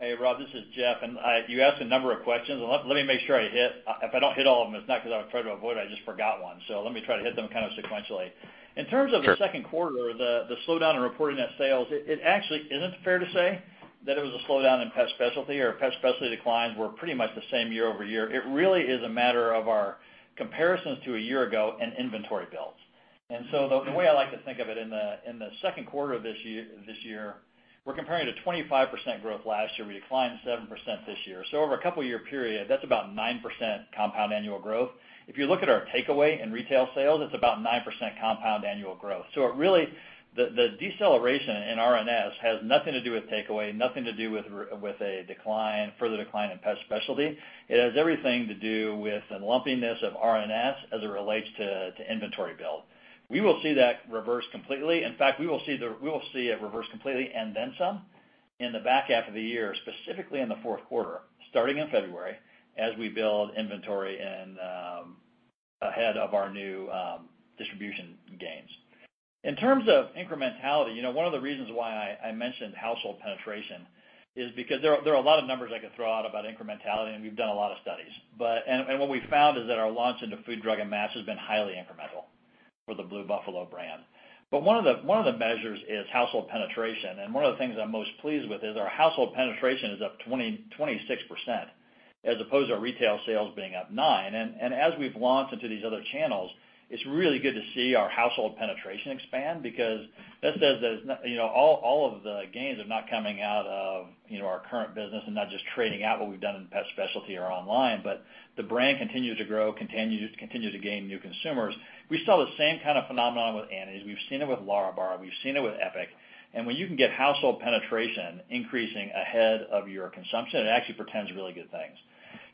Hey, Rob, this is Jeff, you asked a number of questions. If I don't hit all of them, it's not because I tried to avoid it. I just forgot one. Let me try to hit them sequentially. Sure. In terms of the second quarter, the slowdown in reporting net sales, it actually isn't fair to say that it was a slowdown in Pet Specialty or Pet Specialty declines were pretty much the same year-over-year. It really is a matter of our comparisons to a year ago and inventory builds. The way I like to think of it in the second quarter of this year, we're comparing to 25% growth last year. We declined 7% this year. So over a couple of year period, that's about 9% compound annual growth. If you look at our takeaway in retail sales, it's about 9% compound annual growth. Really, the deceleration in RNS has nothing to do with takeaway, nothing to do with a further decline in Pet Specialty. It has everything to do with the lumpiness of RNS as it relates to inventory build. We will see that reverse completely. In fact, we will see it reverse completely and then some in the back half of the year, specifically in the fourth quarter, starting in February, as we build inventory ahead of our new distribution gains. In terms of incrementality, one of the reasons why I mentioned household penetration is because there are a lot of numbers I could throw out about incrementality, and we've done a lot of studies. What we found is that our launch into Food, Drug, and Mass has been highly incremental for the Blue Buffalo brand. One of the measures is household penetration, and one of the things I'm most pleased with is our household penetration is up 26%, as opposed to our retail sales being up nine. As we've launched into these other channels, it's really good to see our household penetration expand because that says that all of the gains are not coming out of our current business and not just trading out what we've done in Pet Specialty or online, but the brand continues to grow, continues to gain new consumers. We saw the same kind of phenomenon with Annie's. We've seen it with Lärabar. We've seen it with Epic. When you can get household penetration increasing ahead of your consumption, it actually portends really good things.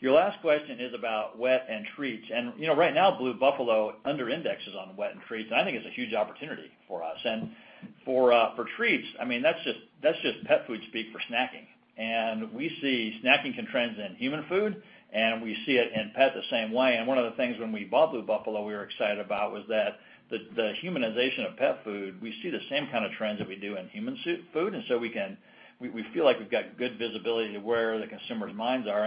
Your last question is about wet and treats. Right now, Blue Buffalo under indexes on wet and treats, and I think it's a huge opportunity for us. For treats, that's just pet food speak for snacking. We see snacking trends in human food, and we see it in pet the same way. One of the things when we bought Blue Buffalo we were excited about was that the humanization of pet food, we see the same kind of trends that we do in human food. We feel like we've got good visibility to where the consumers' minds are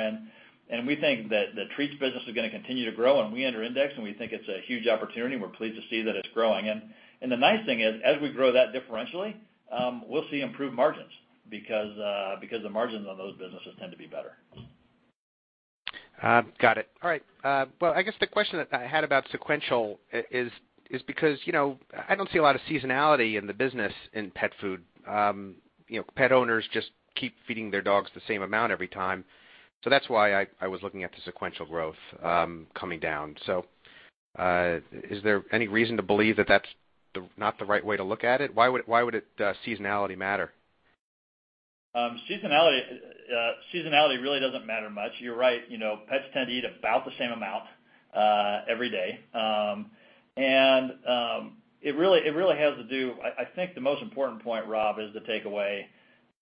and we think that the treats business is going to continue to grow and we under index, and we think it's a huge opportunity, and we're pleased to see that it's growing. The nice thing is, as we grow that differentially, we'll see improved margins because the margins on those businesses tend to be better. Got it. All right. Well, I guess the question that I had about sequential is because, I don't see a lot of seasonality in the business in pet food. Pet owners just keep feeding their dogs the same amount every time. That's why I was looking at the sequential growth coming down. Is there any reason to believe that that's not the right way to look at it? Why would seasonality matter? Seasonality really doesn't matter much. You're right. Pets tend to eat about the same amount every day. I think the most important point, Rob, is the takeaway,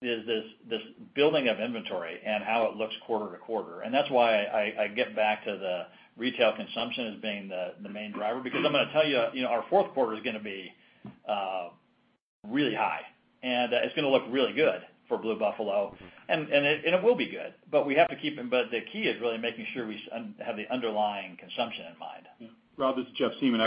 is this building of inventory and how it looks quarter-to-quarter. That's why I get back to the retail consumption as being the main driver, because I'm going to tell you, our fourth quarter is going to be really high and it's going to look really good for Blue Buffalo and it will be good. The key is really making sure we have the underlying consumption in mind. Rob, this is Jeff Siemon.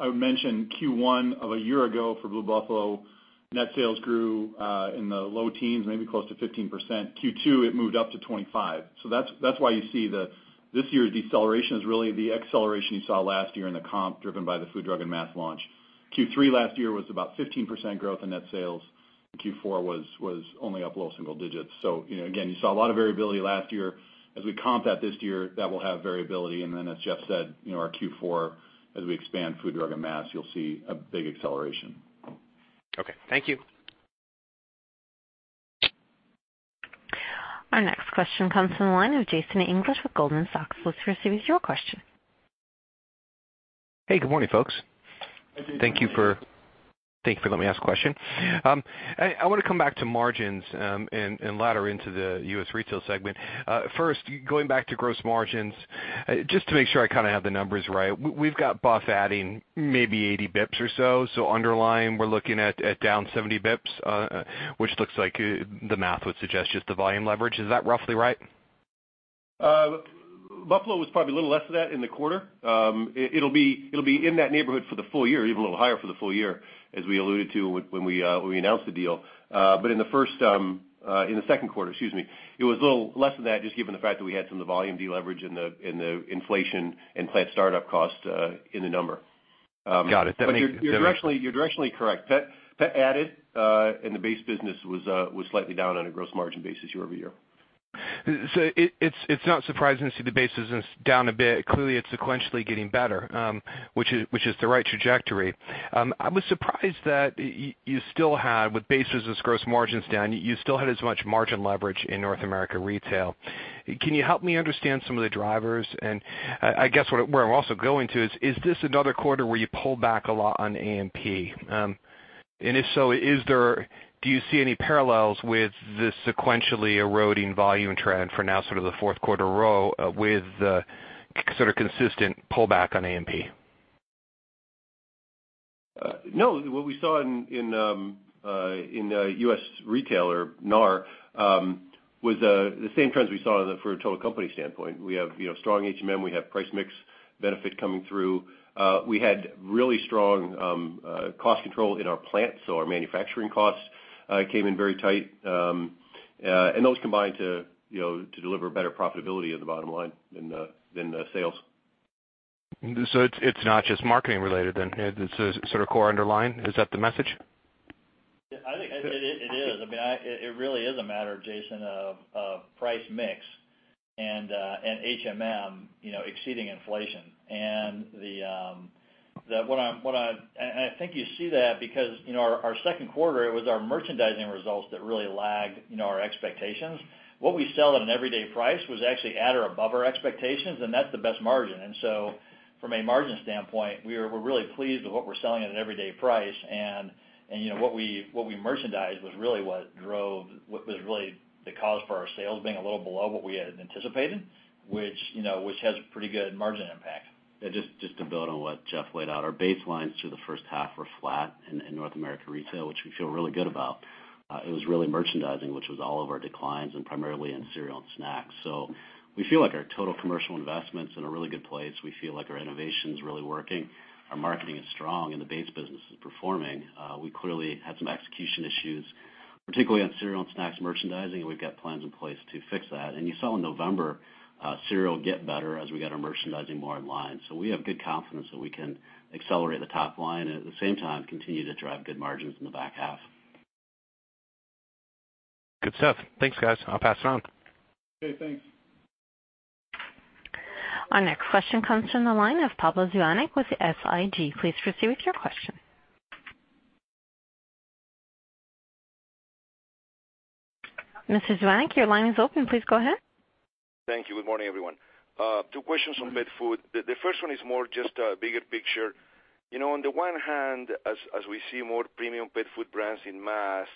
I would mention Q1 of a year ago for Blue Buffalo, net sales grew, in the low teens, maybe close to 15%. Q2, it moved up to 25%. That's why you see this year's deceleration is really the acceleration you saw last year in the comp driven by the Food, Drug, and Mass launch. Q3 last year was about 15% growth in net sales. Q4 was only up low single digits. Again, you saw a lot of variability last year. As we comp that this year, that will have variability, and then as Jeff said, our Q4 as we expand Food, Drug, and Mass, you'll see a big acceleration. Okay. Thank you. Our next question comes from the line of Jason English with Goldman Sachs. Please proceed with your question. Hey, good morning, folks. Hi, Jason. Thank you for letting me ask a question. I want to come back to margins, and ladder into the U.S. retail segment. First, going back to gross margins, just to make sure I have the numbers right. We've got Buff adding maybe 80 basis points or so. Underlying, we're looking at down 70 basis points, which looks like the math would suggest just the volume leverage. Is that roughly right? Buffalo was probably a little less than that in the quarter. It'll be in that neighborhood for the full year, even a little higher for the full year as we alluded to when we announced the deal. In the second quarter, it was a little less than that, just given the fact that we had some of the volume deleverage in the inflation and plant startup cost, in the number. Got it. You're directionally correct. Pet added, and the base business was slightly down on a gross margin basis year-over-year. It's not surprising to see the base business down a bit. Clearly, it's sequentially getting better, which is the right trajectory. I was surprised that you still had, with base business gross margins down, you still had as much margin leverage in North America Retail. Can you help me understand some of the drivers? I guess where I'm also going too is this another quarter where you pull back a lot on A&P? If so, do you see any parallels with the sequentially eroding volume trend for now sort of the fourth quarter row with the consistent pullback on A&P? What we saw in U.S. retail, or NAR, was the same trends we saw from a total company standpoint. We have strong HMM, we have price mix benefit coming through. We had really strong cost control in our plants, so our manufacturing costs came in very tight. Those combined to deliver better profitability in the bottom line than the sales. It's not just marketing related then, it's sort of core underlying. Is that the message? It is. It really is a matter, Jason, of price mix and HMM exceeding inflation. I think you see that because, our second quarter, it was our merchandising results that really lagged our expectations. What we sell at an everyday price was actually at or above our expectations, and that's the best margin. From a margin standpoint, we're really pleased with what we're selling at an everyday price. What we merchandised was really the cause for our sales being a little below what we had anticipated, which has a pretty good margin impact. Just to build on what Jeff laid out, our baselines through the first half were flat in North America Retail, which we feel really good about. It was really merchandising, which was all of our declines and primarily in Cereal and Snacks. We feel like our total commercial investment's in a really good place. We feel like our innovation's really working, our marketing is strong, and the base business is performing. We clearly had some execution issues, particularly on Cereal and Snacks merchandising, and we've got plans in place to fix that. You saw in November, Cereal get better as we get our merchandising more in line. We have good confidence that we can accelerate the top line and at the same time continue to drive good margins in the back half. Good stuff. Thanks, guys. I'll pass it on. Okay, thanks. Our next question comes from the line of Pablo Zuanic with SIG. Please proceed with your question. Mr. Zuanic, your line is open. Please go ahead. Thank you. Good morning, everyone. Two questions on pet food. The first one is more just a bigger picture. On the one hand, as we see more premium pet food brands in mass,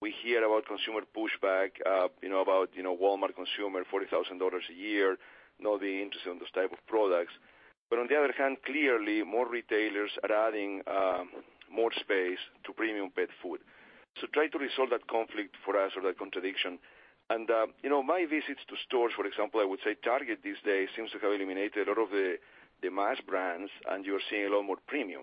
we hear about consumer pushback, about Walmart consumer, $40,000 a year, not being interested in this type of products. On the other hand, clearly, more retailers are adding more space to premium pet food. Try to resolve that conflict for us or that contradiction. My visits to stores, for example, I would say Target these days seems to have eliminated a lot of the mass brands, and you're seeing a lot more premium.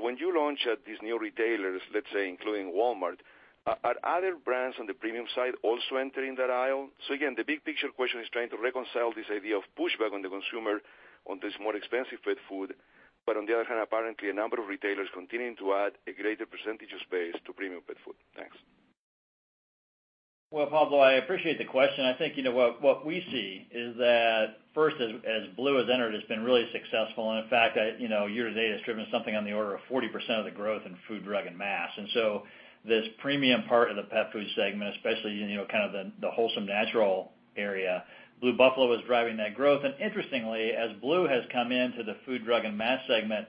When you launch at these new retailers, let's say including Walmart, are other brands on the premium side also entering that aisle? Again, the big picture question is trying to reconcile this idea of pushback on the consumer on this more expensive pet food, on the other hand, apparently a number of retailers continuing to add a greater percentage of space to premium pet food. Thanks. Well, Pablo, I appreciate the question. I think what we see is that first, as Blue has entered, it's been really successful. In fact, year to date has driven something on the order of 40% of the growth in Food, Drug, and Mass. This premium part of the pet food segment, especially kind of the wholesome natural area, Blue Buffalo is driving that growth. Interestingly, as Blue has come into the Food, Drug, and Mass segment,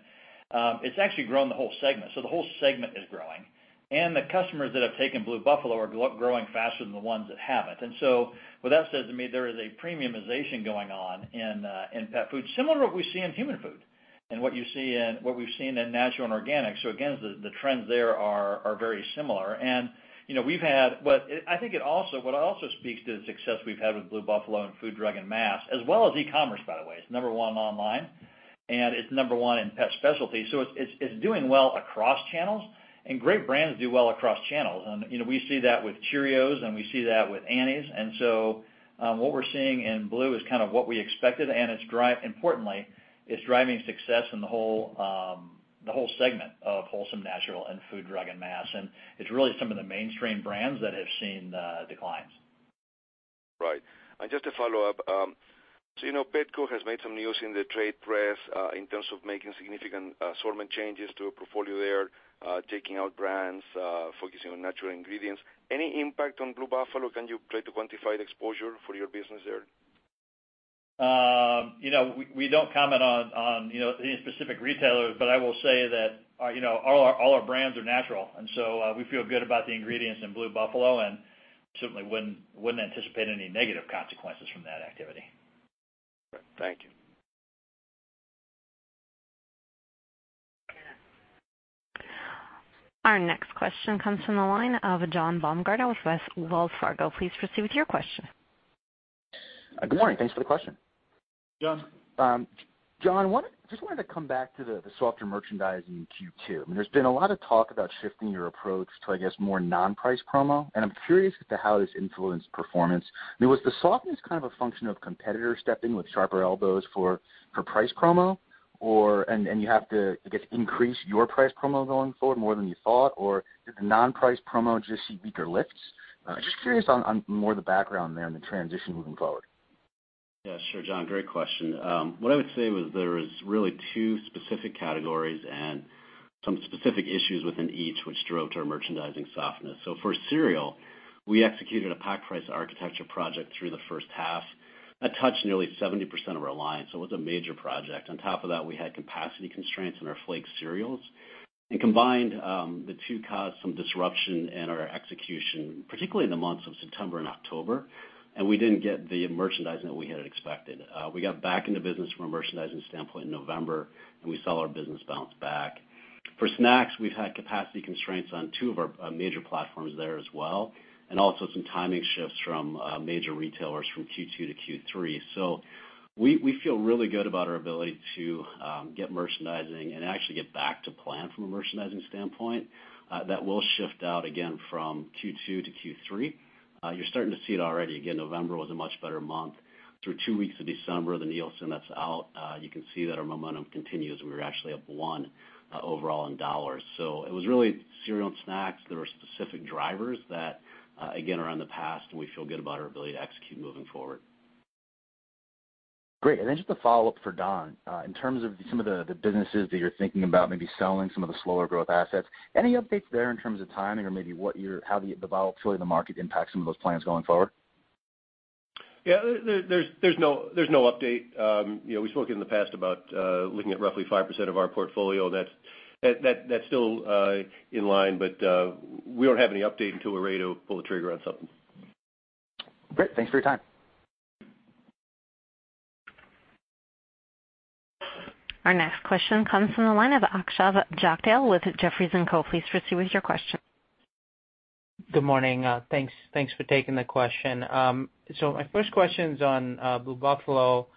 it's actually grown the whole segment. The whole segment is growing. The customers that have taken Blue Buffalo are growing faster than the ones that haven't. What that says to me, there is a premiumization going on in pet food, similar to what we see in human food and what we've seen in natural and organic. Again, the trends there are very similar. I think it also speaks to the success we've had with Blue Buffalo in Food, Drug, and Mass, as well as e-commerce, by the way. It's number one online, and it's number one in Pet Specialty. It's doing well across channels, and great brands do well across channels. We see that with Cheerios, and we see that with Annie's. What we're seeing in Blue is kind of what we expected, and importantly, it's driving success in the whole segment of wholesome, natural, and Food, Drug, and Mass. It's really some of the mainstream brands that have seen declines. Right. Just to follow up, Petco has made some news in the trade press in terms of making significant assortment changes to a portfolio there, taking out brands, focusing on natural ingredients. Any impact on Blue Buffalo? Can you try to quantify the exposure for your business there? We don't comment on any specific retailer, but I will say that all our brands are natural, and so we feel good about the ingredients in Blue Buffalo, and certainly wouldn't anticipate any negative consequences from that activity. Thank you. Our next question comes from the line of John Baumgartner with Wells Fargo. Please proceed with your question. Good morning. Thanks for the question. Jon, just wanted to come back to the softer merchandise in Q2. There's been a lot of talk about shifting your approach to, I guess, more non-price promo, and I'm curious as to how this influenced performance. Was the softness kind of a function of competitors stepping with sharper elbows for price promo, and you have to, I guess, increase your price promo going forward more than you thought? Or did the non-price promo just see weaker lifts? Just curious on more the background there and the transition moving forward. Yeah, sure, John. Great question. What I would say was there was really two specific categories and some specific issues within each, which drove to our merchandising softness. For cereal, we executed a pack price architecture project through the first half that touched nearly 70% of our lines, it was a major project. On top of that we had capacity constraints on our flake cereals. Combined, the two caused some disruption in our execution, particularly in the months of September and October, we didn't get the merchandising that we had expected. We got back in the business from a merchandising standpoint in November, we saw our business bounce back. For snacks, we've had capacity constraints on two of our major platforms there as well, and also some timing shifts from major retailers from Q2 to Q3. We feel really good about our ability to get merchandising and actually get back to plan from a merchandising standpoint. That will shift out again from Q2 to Q3. You're starting to see it already. Again, November was a much better month. Through two weeks of December, the Nielsen that's out, you can see that our momentum continues. We were actually up one overall in dollars. It was really Cereal and Snacks that were specific drivers that again, are in the past, and we feel good about our ability to execute moving forward. Great. Just a follow-up for Don. In terms of some of the businesses that you're thinking about maybe selling some of the slower growth assets, any updates there in terms of timing or maybe how the volatility of the market impacts some of those plans going forward? Yeah. There's no update. We spoke in the past about looking at roughly 5% of our portfolio. That's still in line, but we don't have any update until we're ready to pull the trigger on something. Great. Thanks for your time. Our next question comes from the line of Akshay Jagdale with Jefferies & Co. Please proceed with your question. Good morning. Thanks for taking the question. My first question's on Blue Buffalo.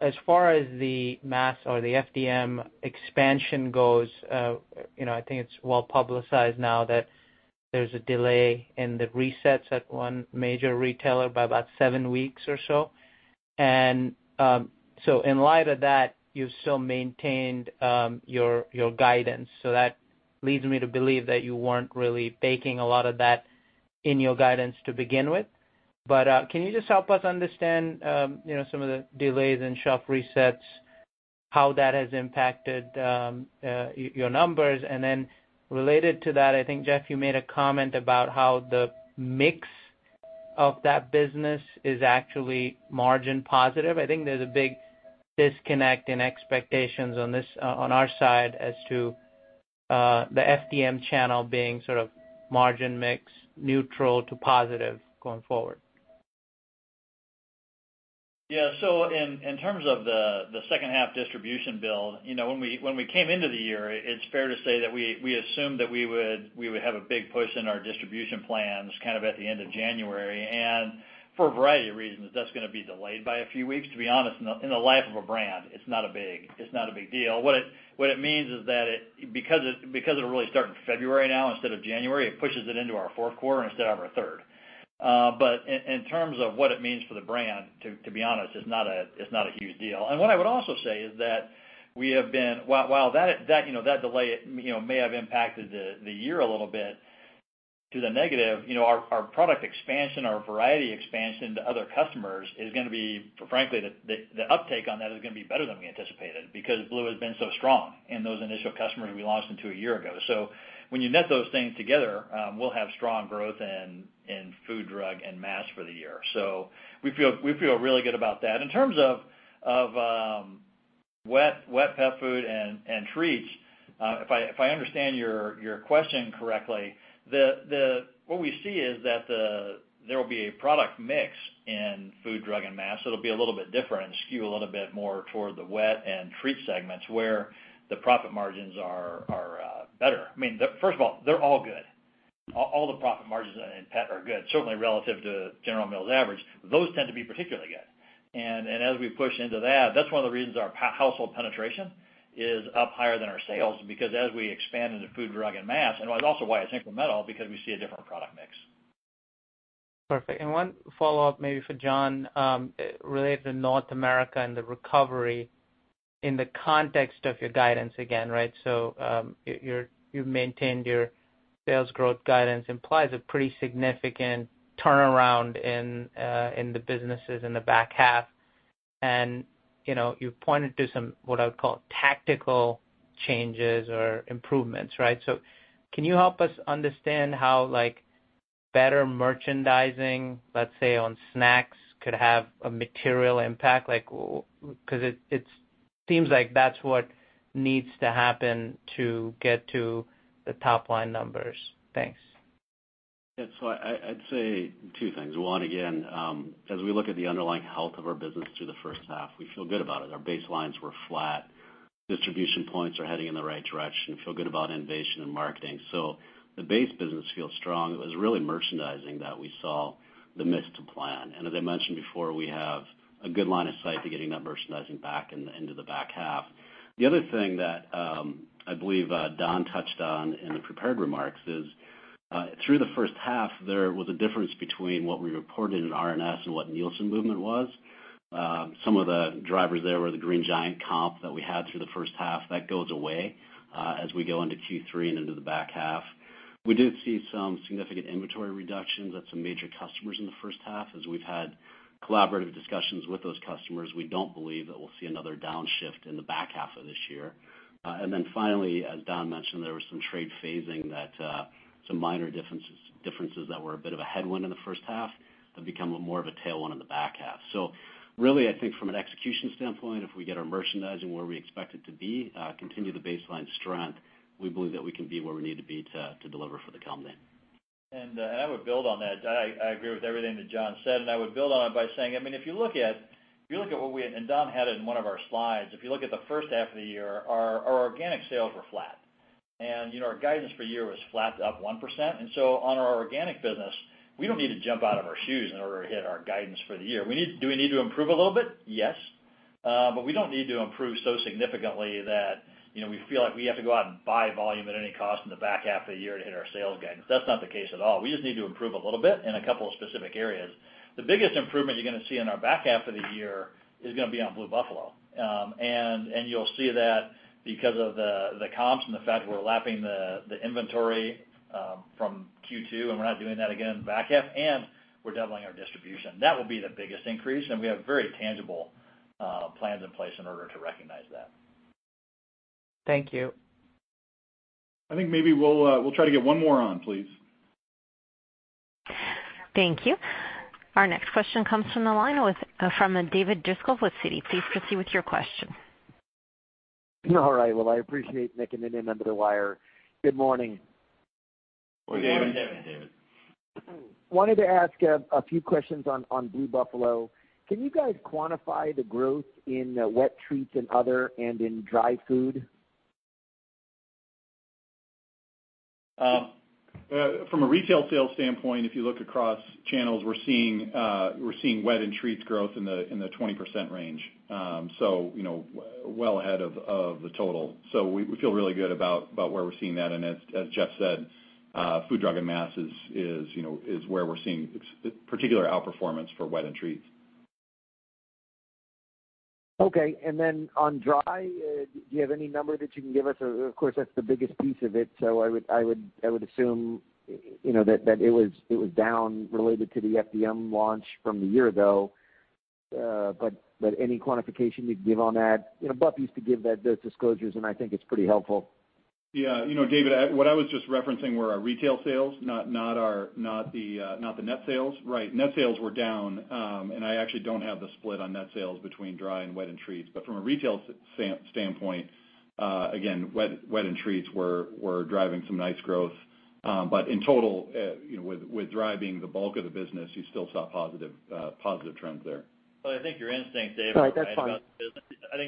As far as the mass or the FDM expansion goes, I think it's well publicized now that there's a delay in the resets at one major retailer by about seven weeks or so. In light of that, you've still maintained your guidance. That leads me to believe that you weren't really baking a lot of that in your guidance to begin with. Can you just help us understand some of the delays in shelf resets, how that has impacted your numbers. Related to that, I think, Jeff, you made a comment about how the mix of that business is actually margin positive. I think there's a big disconnect in expectations on our side as to the FDM channel being sort of margin mix neutral to positive going forward. In terms of the second half distribution build, when we came into the year, it is fair to say that we assumed that we would have a big push in our distribution plans kind of at the end of January. For a variety of reasons, that is going to be delayed by a few weeks. To be honest, in the life of a brand, it is not a big deal. What it means is that because it will really start in February now instead of January, it pushes it into our fourth quarter instead of our third. In terms of what it means for the brand, to be honest, it is not a huge deal. What I would also say is that while that delay may have impacted the year a little bit to the negative, our product expansion, our variety expansion to other customers is going to be, frankly, the uptake on that is going to be better than we anticipated because Blue has been so strong in those initial customers we launched into a year ago. When you net those things together, we will have strong growth in Food, Drug, and Mass for the year. We feel really good about that. In terms of wet pet food and treats, if I understand your question correctly, what we see is that there will be a product mix in Food, Drug, and Mass. It will be a little bit different and skew a little bit more toward the wet and treat segments, where the profit margins are better. I mean, first of all, they are all good. All the profit margins in pet are good, certainly relative to General Mills average. Those tend to be particularly good. As we push into that is one of the reasons our household penetration is up higher than our sales because as we expand into Food, Drug, and Mass, and that is also why it is incremental, because we see a different product mix. Perfect. One follow-up maybe for Jon, related to North America and the recovery in the context of your guidance again, right? You maintained your sales growth guidance, implies a pretty significant turnaround in the businesses in the back half. You pointed to some, what I would call tactical changes or improvements, right? Can you help us understand how better merchandising, let us say, on snacks, could have a material impact? Because it seems like that is what needs to happen to get to the top-line numbers. Thanks. Yeah. I'd say two things. One, again, as we look at the underlying health of our business through the first half, we feel good about it. Our baselines were flat. Distribution points are heading in the right direction. Feel good about innovation and marketing. The base business feels strong. It was really merchandising that we saw the miss to plan. As I mentioned before, we have a good line of sight to getting that merchandising back into the back half. The other thing that I believe Don touched on in the prepared remarks is, through the first half, there was a difference between what we reported in RNS and what Nielsen movement was. Some of the drivers there were the Green Giant comp that we had through the first half. That goes away as we go into Q3 and into the back half. We did see some significant inventory reductions at some major customers in the first half. As we've had collaborative discussions with those customers, we don't believe that we'll see another downshift in the back half of this year. Finally, as Don mentioned, there was some trade phasing that some minor differences that were a bit of a headwind in the first half have become more of a tailwind in the back half. Really, I think from an execution standpoint, if we get our merchandising where we expect it to be, continue the baseline strength, we believe that we can be where we need to be to deliver for the company. I would build on that. I agree with everything that Jon said, and I would build on it by saying, if you look at what we had, and Don had it in one of our slides, if you look at the first half of the year, our organic sales were flat. Our guidance for the year was flat, up 1%. On our organic business, we don't need to jump out of our shoes in order to hit our guidance for the year. Do we need to improve a little bit? Yes. We don't need to improve so significantly that we feel like we have to go out and buy volume at any cost in the back half of the year to hit our sales guidance. That's not the case at all. We just need to improve a little bit in a couple of specific areas. The biggest improvement you're gonna see in our back half of the year is gonna be on Blue Buffalo. You'll see that because of the comps and the fact we're lapping the inventory from Q2, and we're not doing that again in the back half, and we're doubling our distribution. That will be the biggest increase, and we have very tangible plans in place in order to recognize that. Thank you. I think maybe we'll try to get one more on, please. Thank you. Our next question comes from the line from David Driscoll with Citi. Please proceed with your question. All right. Well, I appreciate making it in under the wire. Good morning. Good morning. David. Hey, David. Wanted to ask a few questions on Blue Buffalo. Can you guys quantify the growth in wet treats and other, and in dry food? From a retail sales standpoint, if you look across channels, we're seeing wet and treats growth in the 20% range, well ahead of the total. We feel really good about where we're seeing that. As Jeff said, Food, Drug, and Mass is where we're seeing particular outperformance for wet and treats. Okay. Then on dry. Do you have any number that you can give us? Of course, that's the biggest piece of it, so I would assume that it was down related to the FDM launch from a year ago. Any quantification you'd give on that? Buff used to give those disclosures, and I think it's pretty helpful. David, what I was just referencing were our retail sales, not the net sales. Right. Net sales were down, and I actually don't have the split on net sales between dry and wet and treats. From a retail standpoint, again, wet and treats were driving some nice growth. In total, with dry being the bulk of the business, you still saw positive trends there. I think your instincts, David- All right. That's fine. Are right about the business. I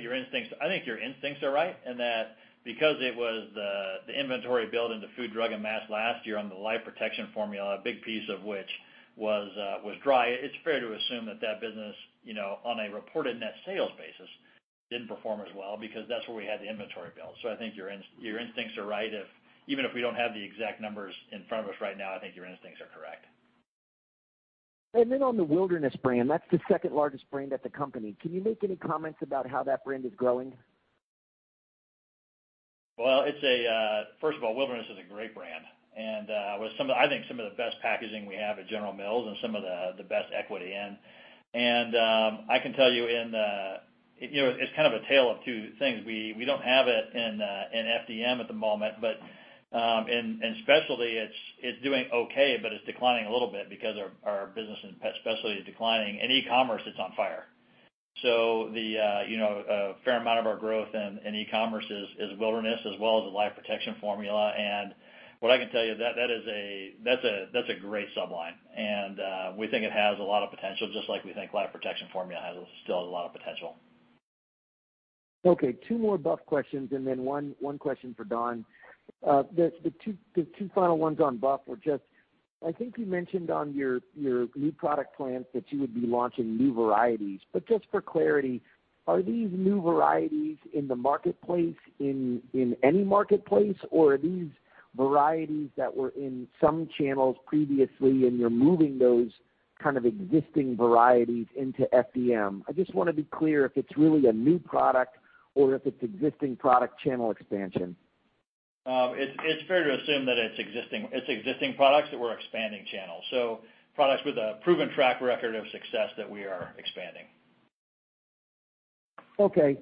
think your instincts are right in that because it was the inventory build into Food, Drug, and Mass last year on the Life Protection Formula, a big piece of which was dry, it's fair to assume that that business, on a reported net sales basis, didn't perform as well because that's where we had the inventory build. I think your instincts are right. Even if we don't have the exact numbers in front of us right now, I think your instincts are correct. On the Wilderness brand, that's the second-largest brand at the company. Can you make any comments about how that brand is growing? Well, first of all, Wilderness is a great brand, with I think some of the best packaging we have at General Mills and some of the best equity in. I can tell you, it's kind of a tale of two things. We don't have it in FDM at the moment, but in specialty, it's doing okay, but it's declining a little bit because our business in Pet Specialty is declining. In e-commerce, it's on fire. A fair amount of our growth in e-commerce is Wilderness as well as the Life Protection Formula, and what I can tell you, that's a great sub-line, and we think it has a lot of potential, just like we think Life Protection Formula still has a lot of potential. Okay. Two more Buff questions and then one question for Don. The two final ones on Blue were just, I think you mentioned on your new product plans that you would be launching new varieties. Just for clarity, are these new varieties in the marketplace, in any marketplace, or are these varieties that were in some channels previously, and you're moving those kind of existing varieties into FDM? I just want to be clear if it's really a new product or if it's existing product channel expansion. It's fair to assume that it's existing products that we're expanding channels. Products with a proven track record of success that we are expanding. Okay.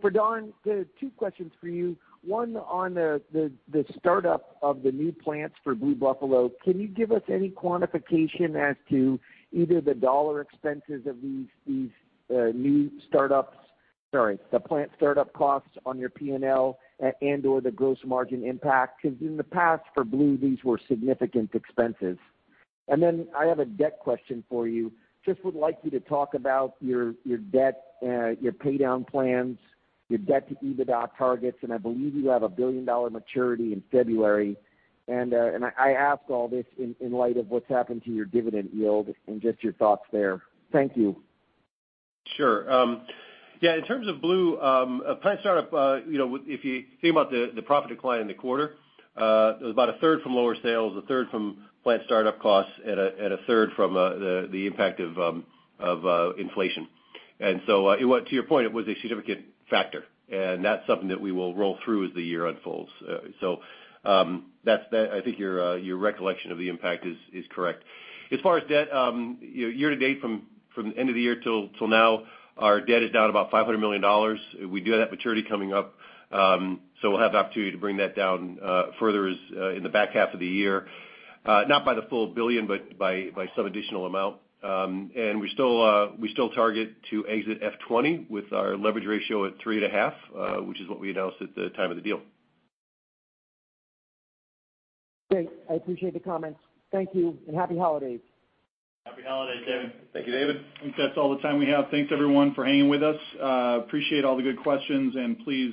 For Don, two questions for you. One on the startup of the new plants for Blue Buffalo. Can you give us any quantification as to either the dollar expenses of these new startups, sorry, the plant startup costs on your P&L and/or the gross margin impact? Because in the past, for Blue, these were significant expenses. I have a debt question for you. Just would like you to talk about your debt, your paydown plans, your debt to EBITDA targets, and I believe you have a $1 billion maturity in February. I ask all this in light of what's happened to your dividend yield and just your thoughts there. Thank you. Sure. Yeah, in terms of Blue, plant startup, if you think about the profit decline in the quarter, it was about a third from lower sales, a third from plant startup costs, and a third from the impact of inflation. To your point, it was a significant factor, and that's something that we will roll through as the year unfolds. I think your recollection of the impact is correct. As far as debt, year-to-date, from the end of the year till now, our debt is down about $500 million. We do have that maturity coming up, so we'll have the opportunity to bring that down further in the back half of the year, not by the full billion, but by some additional amount. We still target to exit FY 2020 with our leverage ratio at 3.5, which is what we announced at the time of the deal. Great. I appreciate the comments. Thank you, and happy holidays. Happy holidays, David. Thank you, David. I think that's all the time we have. Thanks, everyone, for hanging with us. Appreciate all the good questions, and please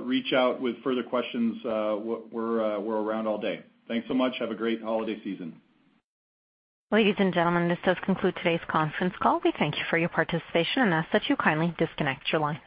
reach out with further questions. We're around all day. Thanks so much. Have a great holiday season. Ladies and gentlemen, this does conclude today's conference call. We thank you for your participation and ask that you kindly disconnect your lines.